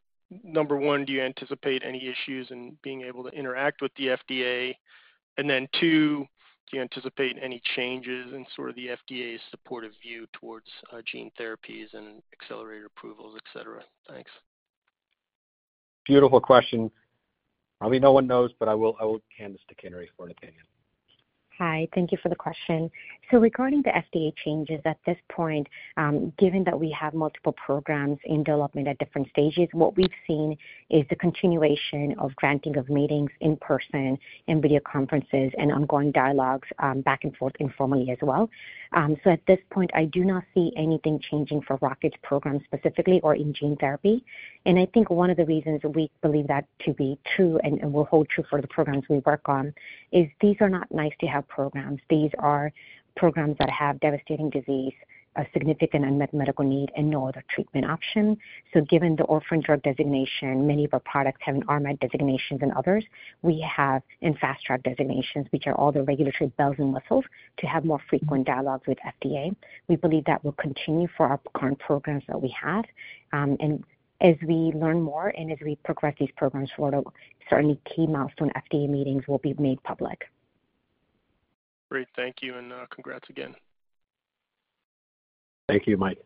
number one, do you anticipate any issues in being able to interact with the FDA? And then two, do you anticipate any changes in sort of the FDA's supportive view towards gene therapies and accelerated approvals, etc.? Thanks. Beautiful question. Probably no one knows, but I will hand this to Kinnari for an opinion. Hi. Thank you for the question. So, regarding the FDA changes at this point, given that we have multiple programs in development at different stages, what we've seen is the continuation of granting of meetings in person and video conferences and ongoing dialogues back and forth informally as well. At this point, I do not see anything changing for Rocket's program specifically or in gene therapy. I think one of the reasons we believe that to be true and will hold true for the programs we work on is these are not nice-to-have programs. These are programs that have devastating disease, a significant unmet medical need, and no other treatment option. Given the orphan drug designation, many of our products have RMAT designations and others. We have in fast-track designations, which are all the regulatory bells and whistles, to have more frequent dialogues with the FDA. We believe that will continue for our current programs that we have. As we learn more and as we progress these programs, certainly key milestone FDA meetings will be made public. Great. Thank you, and congrats again. Thank you, Mike.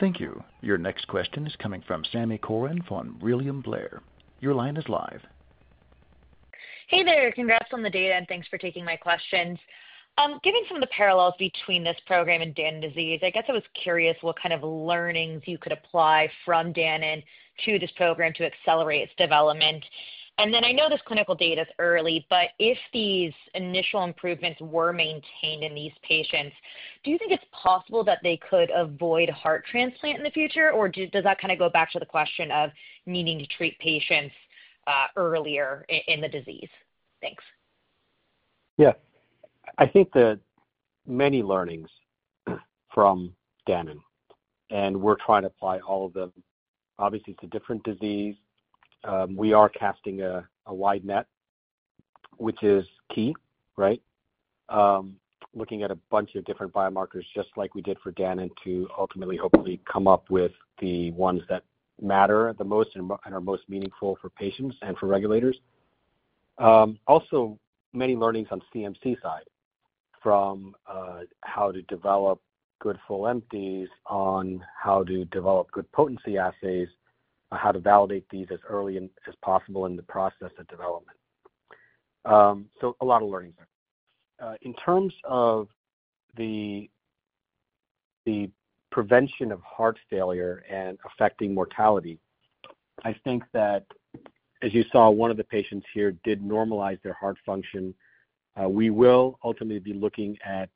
Thank you. Your next question is coming from Sami Corwin from William Blair. Your line is live. Hey there. Congrats on the data, and thanks for taking my questions. Given some of the parallels between this program and Danon disease, I guess I was curious what kind of learnings you could apply from Danon to this program to accelerate its development. I know this clinical data is early, but if these initial improvements were maintained in these patients, do you think it's possible that they could avoid a heart transplant in the future? Does that kind of go back to the question of needing to treat patients earlier in the disease? Thanks. Yeah. I think that many learnings from Danon, and we're trying to apply all of them. Obviously, it's a different disease. We are casting a wide net, which is key, right? Looking at a bunch of different biomarkers just like we did for Danon to ultimately hopefully come up with the ones that matter the most and are most meaningful for patients and for regulators. Also, many learnings on the CMC side from how to develop good full empties, on how to develop good potency assays, how to validate these as early as possible in the process of development. A lot of learnings there. In terms of the prevention of heart failure and affecting mortality, I think that, as you saw, one of the patients here did normalize their heart function. We will ultimately be looking at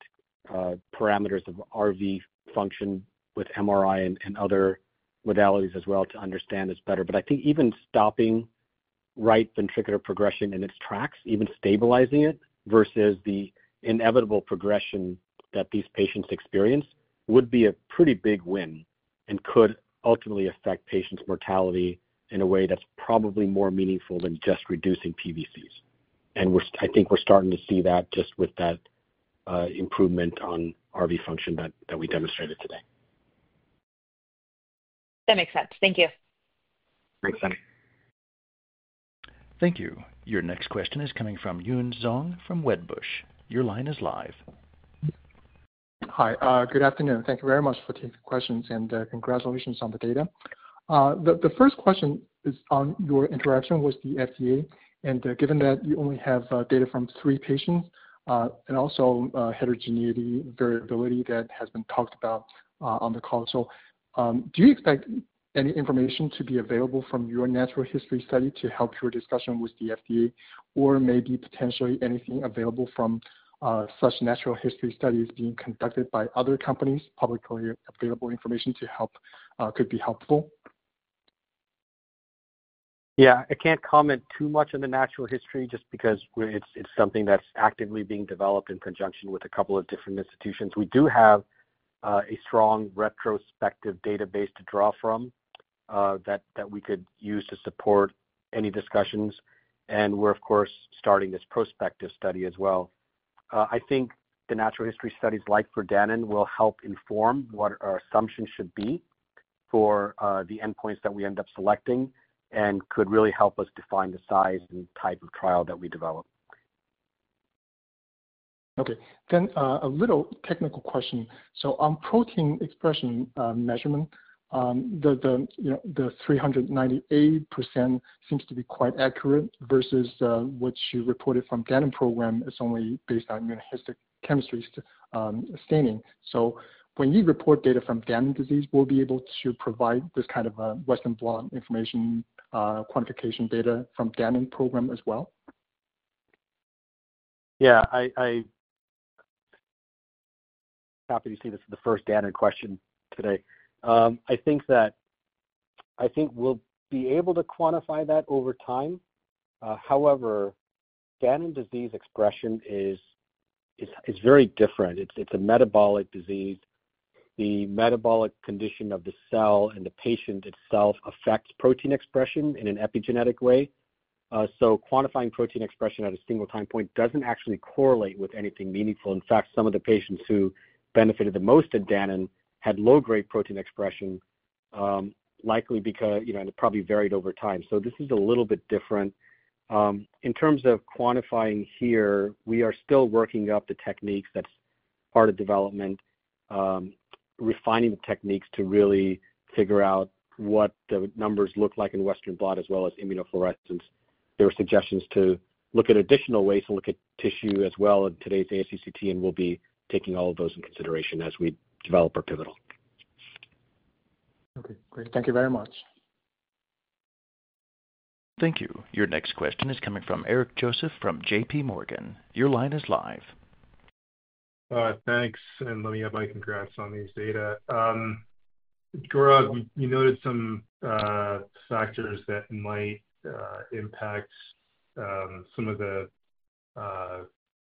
parameters of RV function with MRI and other modalities as well to understand this better. I think even stopping right ventricular progression in its tracks, even stabilizing it versus the inevitable progression that these patients experience would be a pretty big win and could ultimately affect patients' mortality in a way that's probably more meaningful than just reducing PVCs. I think we're starting to see that just with that improvement on RV function that we demonstrated today. That makes sense. Thank you. Thanks, Sami. Thank you. Your next question is coming from Yun Zhong from Wedbush. Your line is live. Hi. Good afternoon. Thank you very much for taking the questions and congratulations on the data. The first question is on your interaction with the FDA. Given that you only have data from three patients and also heterogeneity variability that has been talked about on the call, do you expect any information to be available from your natural history study to help your discussion with the FDA or maybe potentially anything available from such natural history studies being conducted by other companies, publicly available information could be helpful? Yeah. I can't comment too much on the natural history just because it's something that's actively being developed in conjunction with a couple of different institutions. We do have a strong retrospective database to draw from that we could use to support any discussions. We're, of course, starting this prospective study as well. I think the natural history studies like for Danon will help inform what our assumptions should be for the endpoints that we end up selecting and could really help us define the size and type of trial that we develop. Okay. A little technical question. On protein expression measurement, the 398% seems to be quite accurate versus what you reported from the Danon program is only based on immunohistochemistry staining. When you report data from Danon disease, will we be able to provide this kind of Western blot information quantification data from the Danon program as well? Yeah. I'm happy to see this is the first Danon question today. I think we'll be able to quantify that over time. However, Danon disease expression is very different. It's a metabolic disease. The metabolic condition of the cell and the patient itself affects protein expression in an epigenetic way. Quantifying protein expression at a single time point does not actually correlate with anything meaningful. In fact, some of the patients who benefited the most at Danon had low-grade protein expression, likely because it probably varied over time. This is a little bit different. In terms of quantifying here, we are still working up the techniques as part of development, refining the techniques to really figure out what the numbers look like in Western blot as well as immunofluorescence. There were suggestions to look at additional ways to look at tissue as well in today's ACCT, and we will be taking all of those into consideration as we develop our pivotal. Okay. Great. Thank you very much. Thank you. Your next question is coming from Eric Joseph from JPMorgan. Your line is live. Thanks. Let me have my congrats on these data. Gaurav, you noted some factors that might impact some of the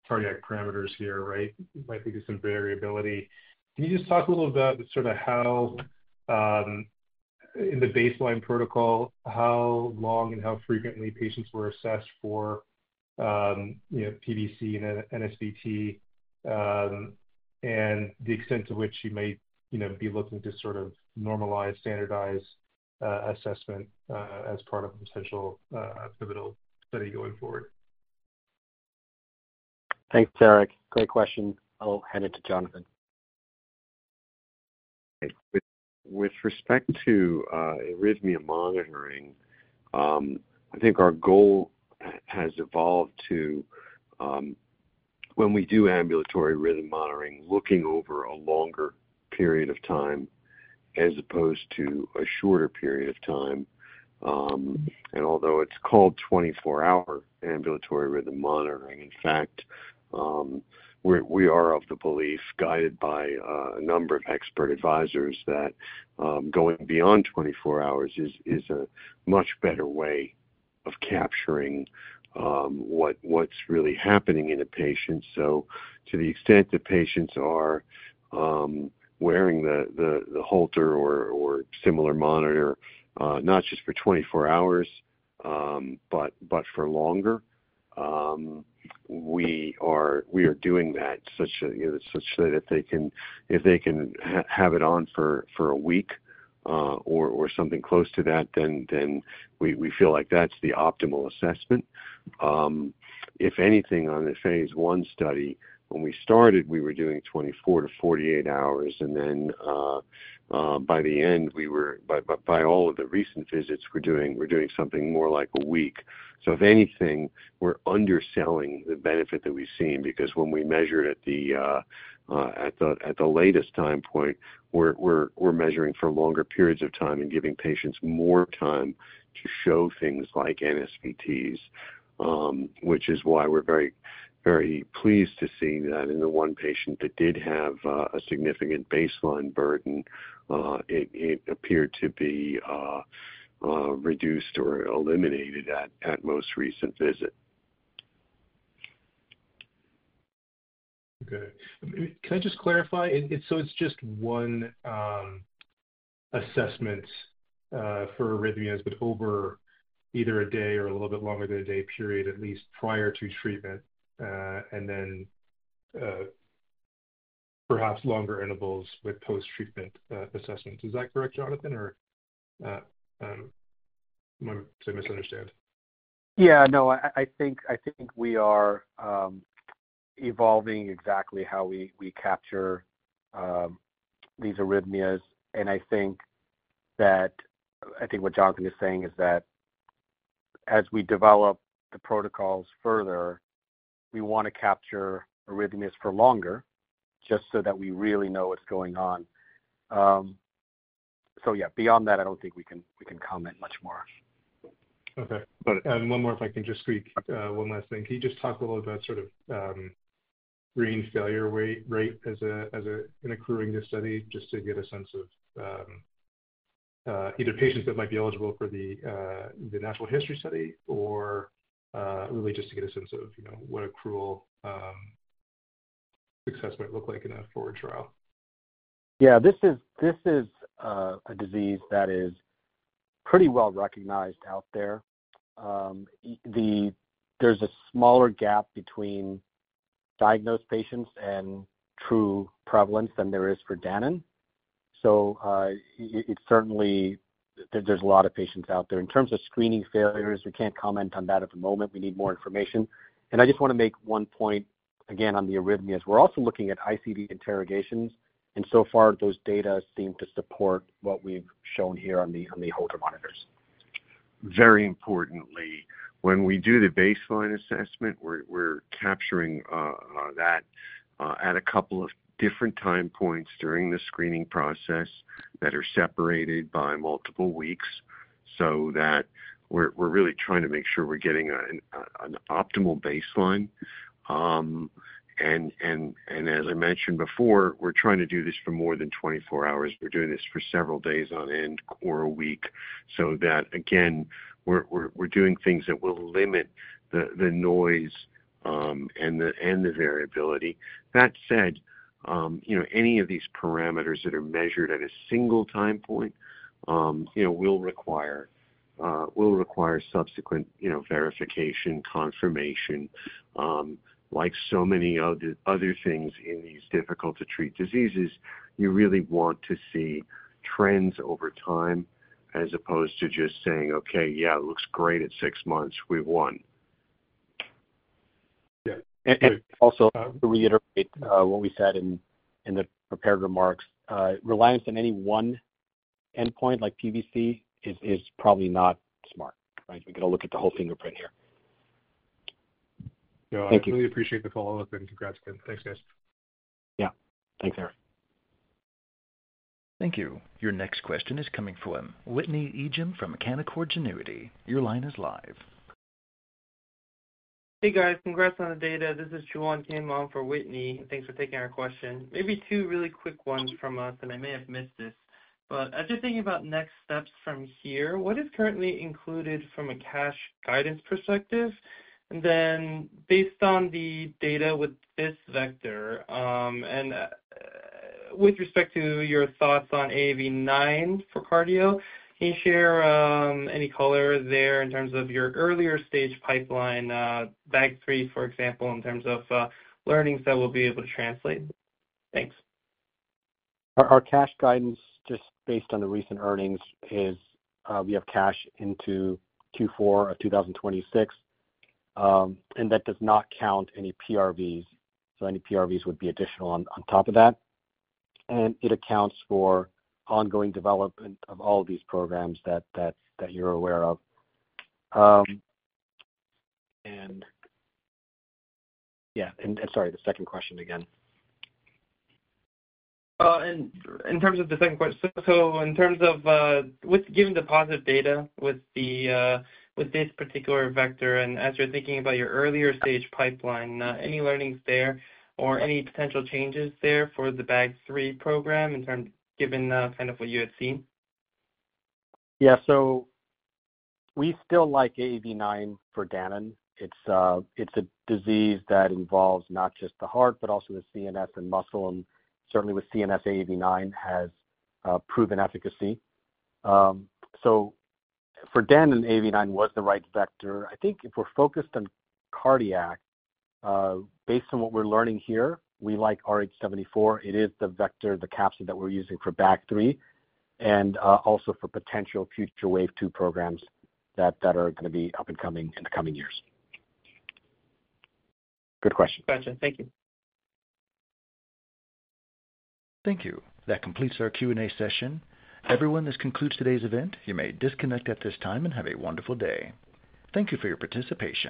cardiac parameters here, right? You might think of some variability. Can you just talk a little about sort of how in the baseline protocol, how long and how frequently patients were assessed for PVC and NSVT and the extent to which you may be looking to sort of normalize, standardize assessment as part of a potential pivotal study going forward? Thanks, Eric. Great question. I'll hand it to Jonathan. With respect to arrhythmia monitoring, I think our goal has evolved to, when we do ambulatory rhythm monitoring, looking over a longer period of time as opposed to a shorter period of time. Although it's called 24-hour ambulatory rhythm monitoring, in fact, we are of the belief, guided by a number of expert advisors, that going beyond 24 hours is a much better way of capturing what's really happening in a patient. To the extent that patients are wearing the Holter or similar monitor, not just for 24 hours, but for longer, we are doing that such that if they can have it on for a week or something close to that, then we feel like that's the optimal assessment. If anything, on the phase I study, when we started, we were doing 24-48 hours. By the end, by all of the recent visits, we're doing something more like a week. If anything, we're underselling the benefit that we've seen because when we measure it at the latest time point, we're measuring for longer periods of time and giving patients more time to show things like NSVTs, which is why we're very pleased to see that in the one patient that did have a significant baseline burden, it appeared to be reduced or eliminated at most recent visit. Okay. Can I just clarify? It's just one assessment for arrhythmias, but over either a day or a little bit longer than a day period at least prior to treatment and then perhaps longer intervals with post-treatment assessments. Is that correct, Jonathan, or am I misunderstanding? Yeah. No, I think we are evolving exactly how we capture these arrhythmias. I think what Jonathan is saying is that as we develop the protocols further, we want to capture arrhythmias for longer just so that we really know what's going on. Yeah, beyond that, I don't think we can comment much more. Okay. Got it. One more, if I can just squeak one last thing. Can you just talk a little bit about sort of brain failure rate as an accruing to study just to get a sense of either patients that might be eligible for the natural history study or really just to get a sense of what accrual success might look like in a forward trial? Yeah. This is a disease that is pretty well-recognized out there. There's a smaller gap between diagnosed patients and true prevalence than there is for Danon. There's a lot of patients out there. In terms of screening failures, we can't comment on that at the moment. We need more information. I just want to make one point again on the arrhythmias. We're also looking at ICD interrogations. So far, those data seem to support what we've shown here on the Holter monitors. Very importantly, when we do the baseline assessment, we're capturing that at a couple of different time points during the screening process that are separated by multiple weeks so that we're really trying to make sure we're getting an optimal baseline. As I mentioned before, we're trying to do this for more than 24 hours. We're doing this for several days on end or a week so that, again, we're doing things that will limit the noise and the variability. That said, any of these parameters that are measured at a single time point will require subsequent verification, confirmation. Like so many other things in these difficult-to-treat diseases, you really want to see trends over time as opposed to just saying, "Okay, yeah, it looks great at six months. We've won." Yeah. Eric, also, to reiterate what we said in the prepared remarks, reliance on any one endpoint like PVC is probably not smart, right? We got to look at the whole fingerprint here. I really appreciate the follow-up and congrats again. Thanks, guys. Thanks, Eric. Thank you. Your next question is coming from Whitney Ijem from Canaccord Genuity. Your line is live. Hey, guys. Congrats on the data. This is (audio distortion) for Whitney. Thanks for taking our question. Maybe two really quick ones from us, and I may have missed this. As you're thinking about next steps from here, what is currently included from a cash guidance perspective? Then based on the data with this vector and with respect to your thoughts on AAV9 for cardio, can you share any color there in terms of your earlier stage pipeline, BAG3, for example, in terms of learnings that we'll be able to translate? Thanks. Our cash guidance, just based on the recent earnings, is we have cash into Q4 of 2026, and that does not count any PRVs. Any PRVs would be additional on top of that. It accounts for ongoing development of all of these programs that you're aware of. Yeah. Sorry, the second question again. In terms of the second question, in terms of given the positive data with this particular vector and as you're thinking about your earlier stage pipeline, any learnings there or any potential changes there for the BAG3 program given kind of what you had seen? Yeah. We still like AAV9 for Danon. It's a disease that involves not just the heart, but also the CNS and muscle. Certainly, with CNS, AAV9 has proven efficacy. For Danon, AAV9 was the right vector. I think if we're focused on cardiac, based on what we're learning here, we like rh74. It is the vector, the capsid that we're using for BAG3 and also for potential future wave two programs that are going to be up and coming in the coming years. Good question. Gotcha. Thank you. Thank you. That completes our Q&A session. Everyone, this concludes today's event. You may disconnect at this time and have a wonderful day. Thank you for your participation.